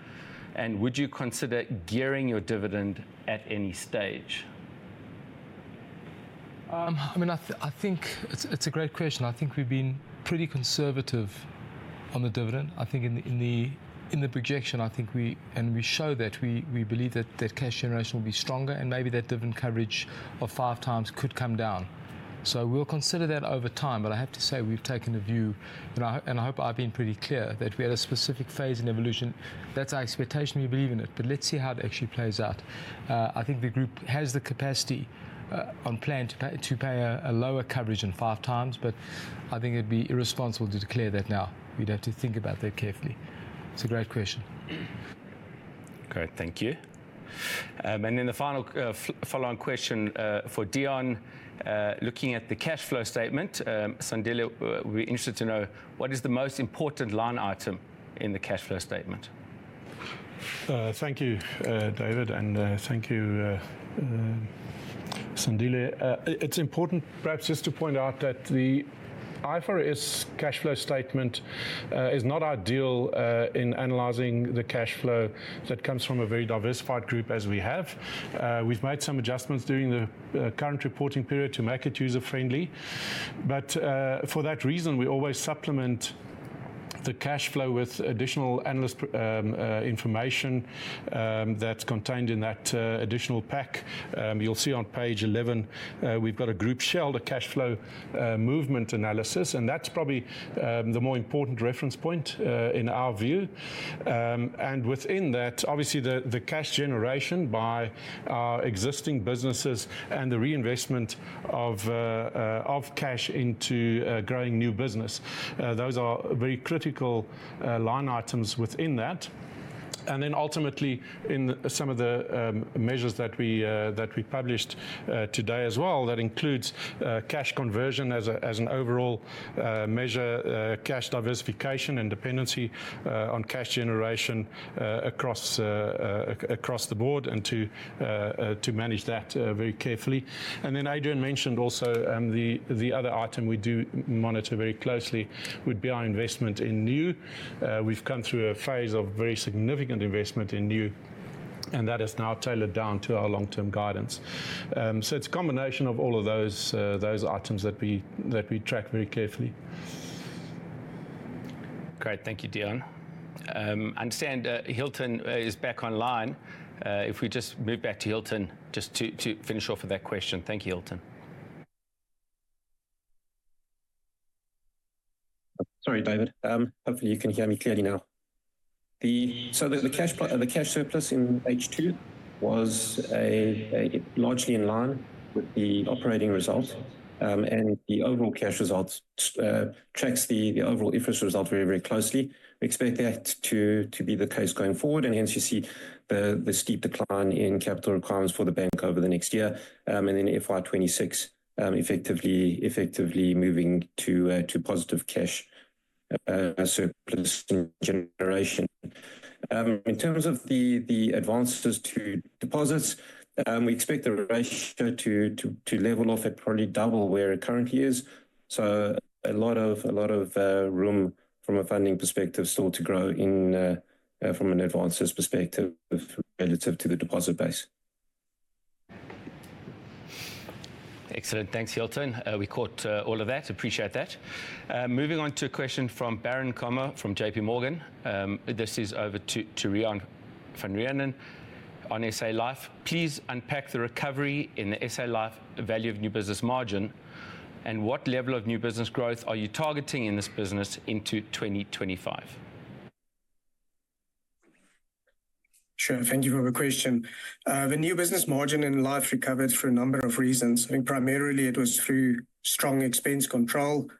And would you consider gearing your dividend at any stage? I mean, I think it's a great question. I think we've been pretty conservative on the dividend. I think in the projection, I think we, and we show that we believe that the cash generation will be stronger, and maybe that dividend coverage of five times could come down. So we'll consider that over time. But I have to say, we've taken the view, and I hope I've been pretty clear, that we had a specific phase in evolution. That's our expectation, we believe in it, but let's see how it actually plays out. I think the group has the capacity on plan to pay a lower coverage than five times, but I think it'd be irresponsible to declare that now. We'd have to think about that carefully. It's a great question. Great. Thank you. And then the final follow-on question for Deon, looking at the cash flow statement, Sandile would be interested to know: What is the most important line item in the cash flow statement? Thank you, David, and thank you, Sandile. It's important perhaps just to point out that the IFRS cash flow statement is not ideal in analyzing the cash flow that comes from a very diversified group as we have. We've made some adjustments during the current reporting period to make it user-friendly. But for that reason, we always supplement the cash flow with additional analyst information that's contained in that additional pack. You'll see on page 11, we've got a group shell cash flow movement analysis, and that's probably the more important reference point in our view. And within that, obviously, the cash generation by our existing businesses and the reinvestment of cash into growing new business, those are very critical line items within that. And then ultimately, in some of the measures that we published today as well, that includes cash conversion as an overall measure, cash diversification and dependency on cash generation across the board, and to manage that very carefully. And then Adrian mentioned also, the other item we do monitor very closely would be our investment in new. We've come through a phase of very significant investment in new, and that is now tailored down to our long-term guidance. So it's a combination of all of those items that we track very carefully. Great. Thank you, Deon. I understand Hylton is back online. If we just move back to Hylton just to finish off with that question. Thank you, Hylton. Sorry, David. Hopefully you can hear me clearly now. So the cash surplus in H2 was largely in line with the operating results, and the overall cash results tracks the overall IFRS results very, very closely. We expect that to be the case going forward, and hence you see the steep decline in capital requirements for the bank over the next year. And then FY26, effectively moving to positive cash surplus generation. In terms of the advances to deposits, we expect the ratio to level off at probably double where it currently is. So a lot of room from a funding perspective still to grow from an advances perspective relative to the deposit base. Excellent. Thanks, Hylton. We caught all of that. Appreciate that. Moving on to a question from Baran Kumar, from JP Morgan. This is over to Riaan van Reenen on SA Life. Please unpack the recovery in the SA Life value of new business margin, and what level of new business growth are you targeting in this business into 2025? Sure. Thank you for the question. The new business margin in Life recovered for a number of reasons. I think primarily it was through strong expense control.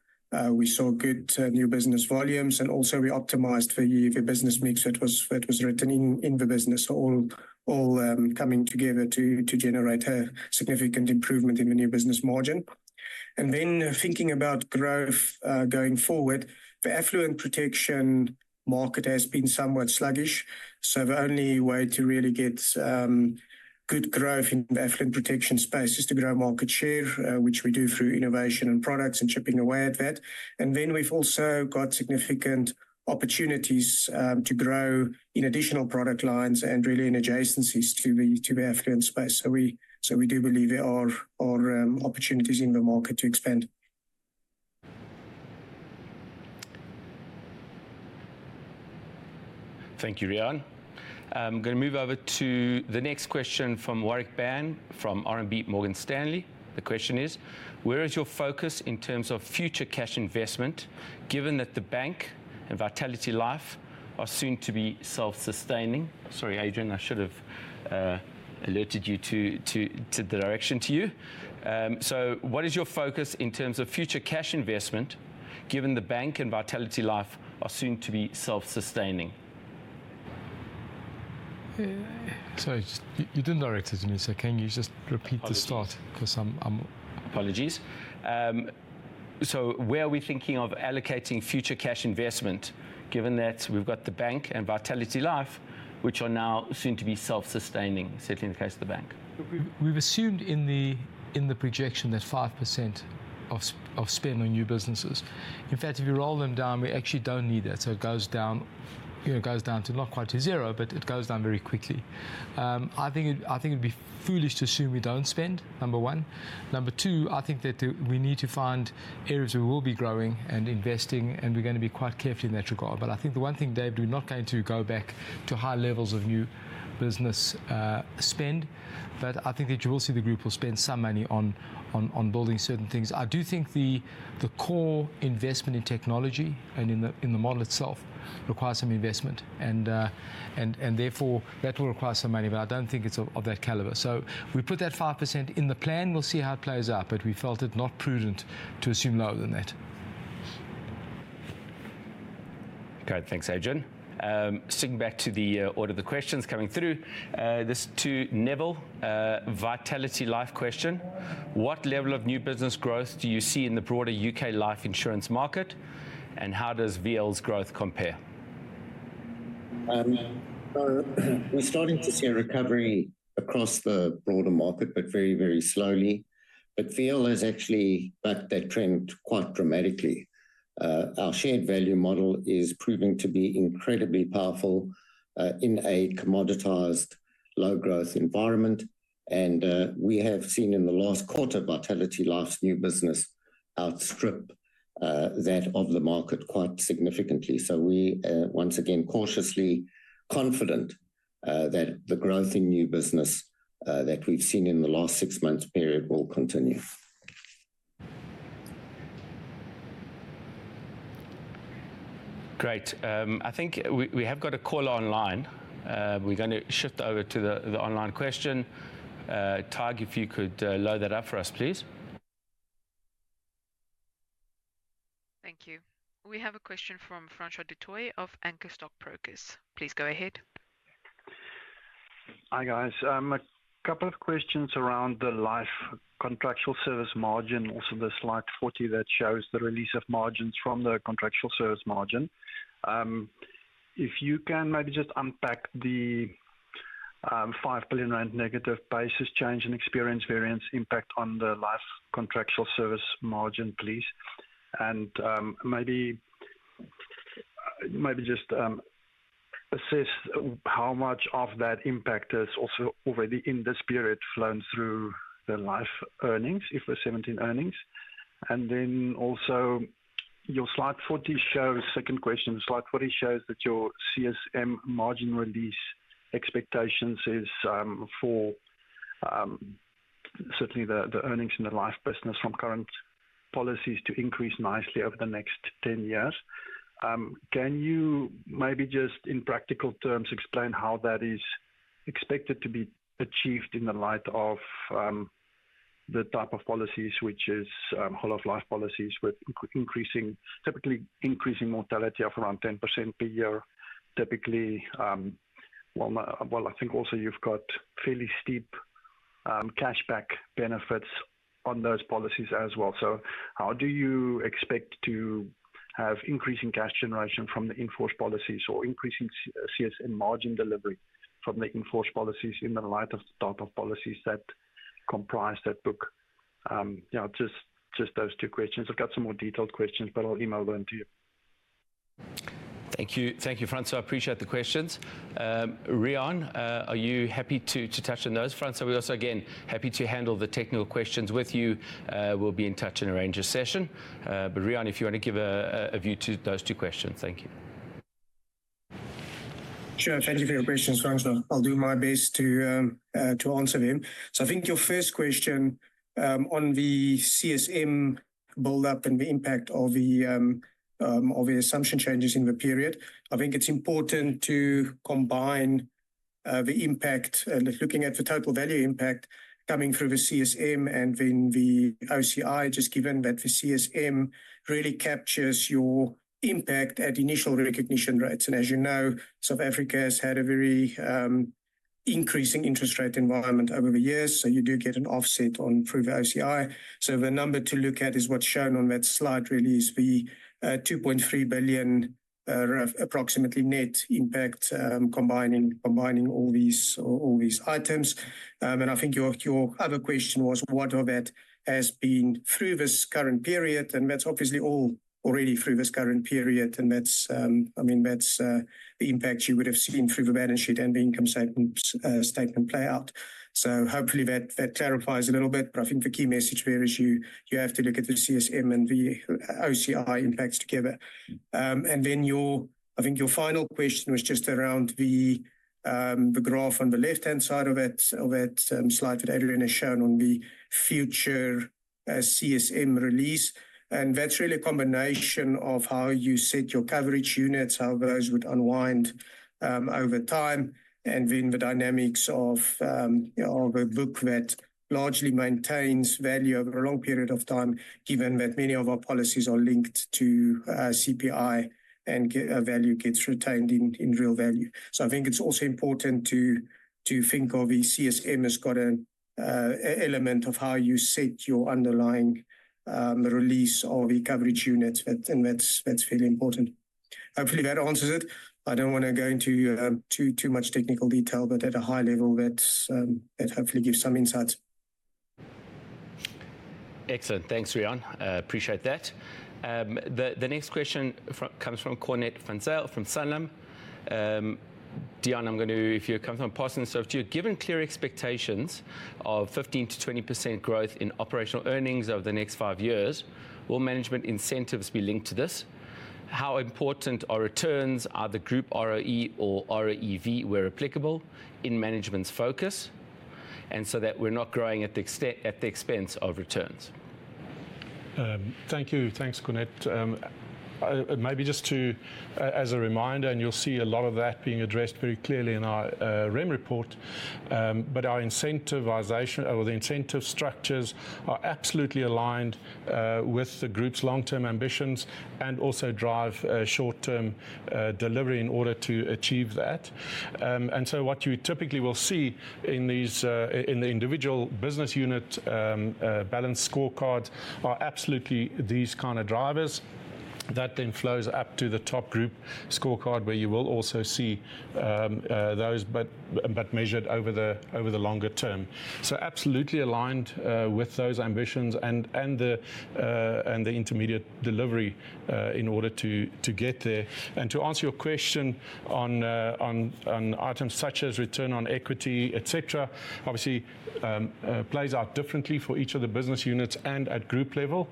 We saw good new business volumes, and also we optimized for the business mix that was written in the business. So all coming together to generate a significant improvement in the new business margin. And then thinking about growth going forward, the affluent protection market has been somewhat sluggish, so the only way to really get good growth in the affluent protection space is to grow market share, which we do through innovation and products and chipping away at that. And then we've also got significant opportunities to grow in additional product lines and really in adjacencies to the affluent space. So we do believe there are opportunities in the market to expand. Thank you, Riaan. I'm gonna move over to the next question from Warwick Bam, from RMB Morgan Stanley. The question is: Where is your focus in terms of future cash investment, given that the bank and Vitality Life are soon to be self-sustaining? Sorry, Adrian, I should have alerted you to the direction to you. So what is your focus in terms of future cash investment, given the bank and Vitality Life are soon to be self-sustaining? Sorry, you didn't direct it to me, so can you just repeat the start 'Cause I'm- Apologies. So where are we thinking of allocating future cash investment, given that we've got the bank and Vitality Life, which are now soon to be self-sustaining, certainly in the case of the bank? We've assumed in the projection that 5% of spend on new businesses. In fact, if you roll them down, we actually don't need that. So it goes down, you know, it goes down to not quite to zero, but it goes down very quickly. I think it'd be foolish to assume we don't spend, number one. Number two, I think that we need to find areas where we'll be growing and investing, and we're gonna be quite careful in that regard. But I think the one thing, Dave, we're not going to go back to high levels of new business spend, but I think that you will see the group will spend some money on building certain things. I do think the core investment in technology and in the model itself requires some investment, and therefore, that will require some money, but I don't think it's of that caliber. So we put that 5% in the plan. We'll see how it plays out, but we felt it not prudent to assume lower than that. Great. Thanks, Adrian. Sticking back to the order of the questions coming through, this to Neville. Vitality Life question: What level of new business growth do you see in the broader UK life insurance market, and how does VL's growth compare? So we're starting to see a recovery across the broader market, but very, very slowly. But VL has actually bucked that trend quite dramatically. Our shared value model is proving to be incredibly powerful in a commoditized, low-growth environment, and we have seen in the last quarter Vitality Life's new business outstrip that of the market quite significantly. So we are, once again, cautiously confident that the growth in new business that we've seen in the last six months period will continue. Great. I think we have got a caller online. We're gonna shift over to the online question. Tag, if you could load that up for us, please. Thank you. We have a question from Francois du Toit of Anchor Stockbrokers. Please go ahead. Hi, guys. A couple of questions around the life contractual service margin, also the slide 40 that shows the release of margins from the contractual service margin. If you can maybe just unpack the 5 billion rand negative basis change and experience variance impact on the life contractual service margin, please. And maybe just assess how much of that impact has also already in this period flown through the life earnings, IFRS 17 earnings. And then also your slide 40 shows... Second question, slide 40 shows that your CSM margin release expectations is for certainly the earnings in the life business from current policies to increase nicely over the next ten years. Can you maybe just, in practical terms, explain how that is expected to be achieved in the light of the type of policies, which is whole of life policies with increasing, typically increasing mortality of around 10% per year, typically. I think also you've got fairly steep-... cash back benefits on those policies as well. So how do you expect to have increasing cash generation from the in-force policies or increasing CSM margin delivery from the in-force policies in the light of the type of policies that comprise that book? Yeah, just those two questions. I've got some more detailed questions, but I'll email them to you. Thank you. Thank you, Francois. I appreciate the questions. Riaan, are you happy to touch on those? Francois, we're also, again, happy to handle the technical questions with you. We'll be in touch and arrange a session. But Riaan, if you want to give a view to those two questions. Thank you. Sure. Thank you for your questions, Francois. I'll do my best to answer them. So I think your first question on the CSM build-up and the impact of the assumption changes in the period, I think it's important to combine the impact looking at the total value impact coming through the CSM and then the OCI, just given that the CSM really captures your impact at initial recognition rates. And as you know, South Africa has had a very increasing interest rate environment over the years, so you do get an offset on through the OCI. So the number to look at is what's shown on that slide, really is the 2.3 billion approximately net impact combining all these items. And I think your other question was, what of it has been through this current period? And that's obviously all already through this current period, and that's, I mean, the impact you would have seen through the balance sheet and the income statement, statement play out. So hopefully that clarifies a little bit, but I think the key message there is you have to look at the CSM and the OCI impacts together. And then your... I think your final question was just around the graph on the left-hand side of that slide that Adrian has shown on the future CSM release. That's really a combination of how you set your coverage units, how those would unwind over time, and then the dynamics of, you know, of a book that largely maintains value over a long period of time, given that many of our policies are linked to CPI and value gets retained in real value. So I think it's also important to think of the CSM has got an element of how you set your underlying release of the coverage units, and that's really important. Hopefully, that answers it. I don't want to go into too much technical detail, but at a high level, that hopefully gives some insight. Excellent. Thanks, Riaan. Appreciate that. The next question comes from Cornette van Zyl from Sanlam. Deon, I'm going to pass this off to you. Given clear expectations of 15%-20% growth in operational earnings over the next five years, will management incentives be linked to this? How important are returns, are the group ROE or ROEV, where applicable, in management's focus, and so that we're not growing at the expense of returns? Thank you. Thanks, Cornet. Maybe just as a reminder, and you'll see a lot of that being addressed very clearly in our REM report, but our incentivization or the incentive structures are absolutely aligned with the group's long-term ambitions and also drive short-term delivery in order to achieve that. And so what you typically will see in these in the individual business unit balance scorecards are absolutely these kind of drivers. That then flows up to the top group scorecard, where you will also see those, but measured over the longer term. So absolutely aligned with those ambitions and the intermediate delivery in order to get there. To answer your question on items such as return on equity, et cetera, obviously plays out differently for each of the business units and at group level.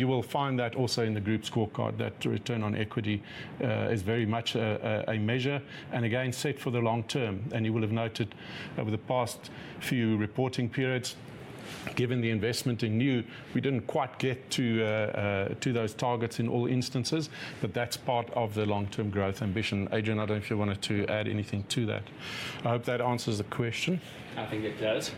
You will find that also in the group scorecard, that return on equity is very much a measure, and again, set for the long term. You will have noted over the past few reporting periods, given the investment in new, we didn't quite get to those targets in all instances, but that's part of the long-term growth ambition. Adrian, I don't know if you wanted to add anything to that. I hope that answers the question. I think it does.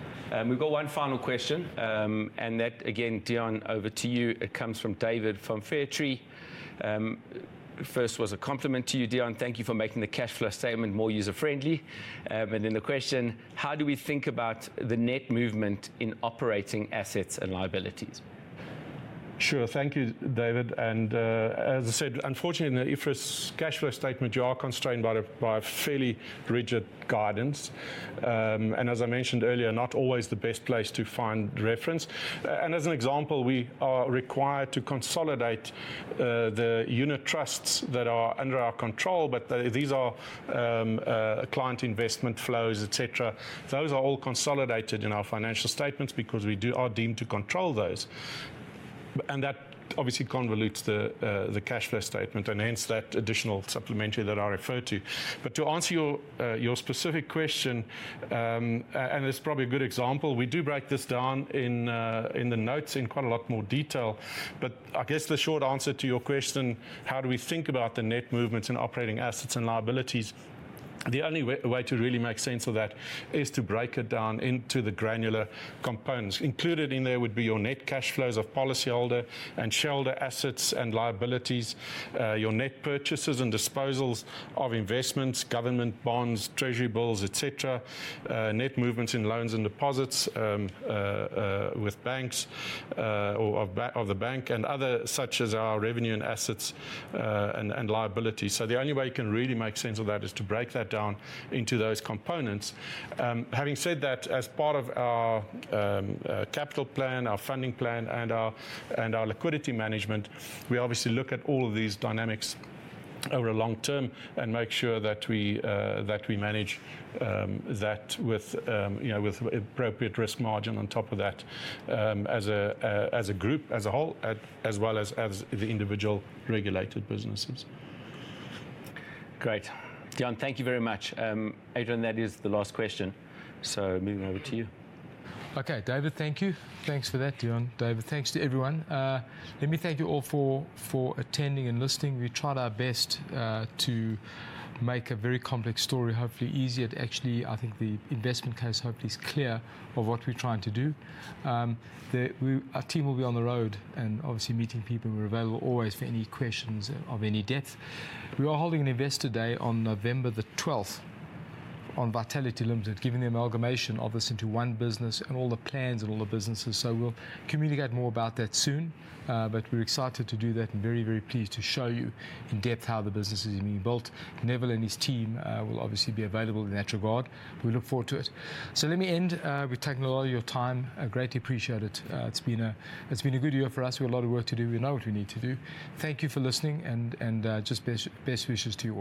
We've got one final question, and that, again, Deon, over to you. It comes from David from Fairtree. First was a compliment to you, Deon. Thank you for making the cash flow statement more user-friendly. And then the question: How do we think about the net movement in operating assets and liabilities? Sure. Thank you, David. And, as I said, unfortunately, in the IFRS cash flow statement, you are constrained by a fairly rigid guidance, and as I mentioned earlier, not always the best place to find reference. And as an example, we are required to consolidate the unit trusts that are under our control, but these are client investment flows, et cetera. Those are all consolidated in our financial statements because we are deemed to control those. And that obviously convolutes the cash flow statement, and hence that additional supplementary that I referred to. But to answer your specific question, and it's probably a good example, we do break this down in the notes in quite a lot more detail. But I guess the short answer to your question, how do we think about the net movements in operating assets and liabilities? The only way to really make sense of that is to break it down into the granular components. Included in there would be your net cash flows of policyholder and shareholder assets and liabilities, your net purchases and disposals of investments, government bonds, treasury bills, et cetera, net movements in loans and deposits, with banks, or of the bank, and other, such as our revenue and assets, and liabilities. So the only way you can really make sense of that is to break that down into those components. Having said that, as part of our capital plan, our funding plan, and our liquidity management, we obviously look at all of these dynamics over a long term and make sure that we manage that with, you know, with appropriate risk margin on top of that, as a group, as a whole, as well as the individual regulated businesses. Great. Deon, thank you very much. Adrian, that is the last question, so moving over to you. Okay, David, thank you. Thanks for that, Deon. David, thanks to everyone. Let me thank you all for attending and listening. We tried our best to make a very complex story hopefully easier to actually I think the investment case hopefully is clear of what we're trying to do. Our team will be on the road, and obviously, meeting people. We're available always for any questions of any depth. We are holding an investor day on November the 12th on Vitality Limited, giving the amalgamation of us into one business and all the plans and all the businesses, so we'll communicate more about that soon, but we're excited to do that and very, very pleased to show you in depth how the business is being built. Neville and his team will obviously be available in that regard. We look forward to it. So let me end. We've taken a lot of your time. I greatly appreciate it. It's been a good year for us. We've a lot of work to do. We know what we need to do. Thank you for listening, and just best wishes to you all.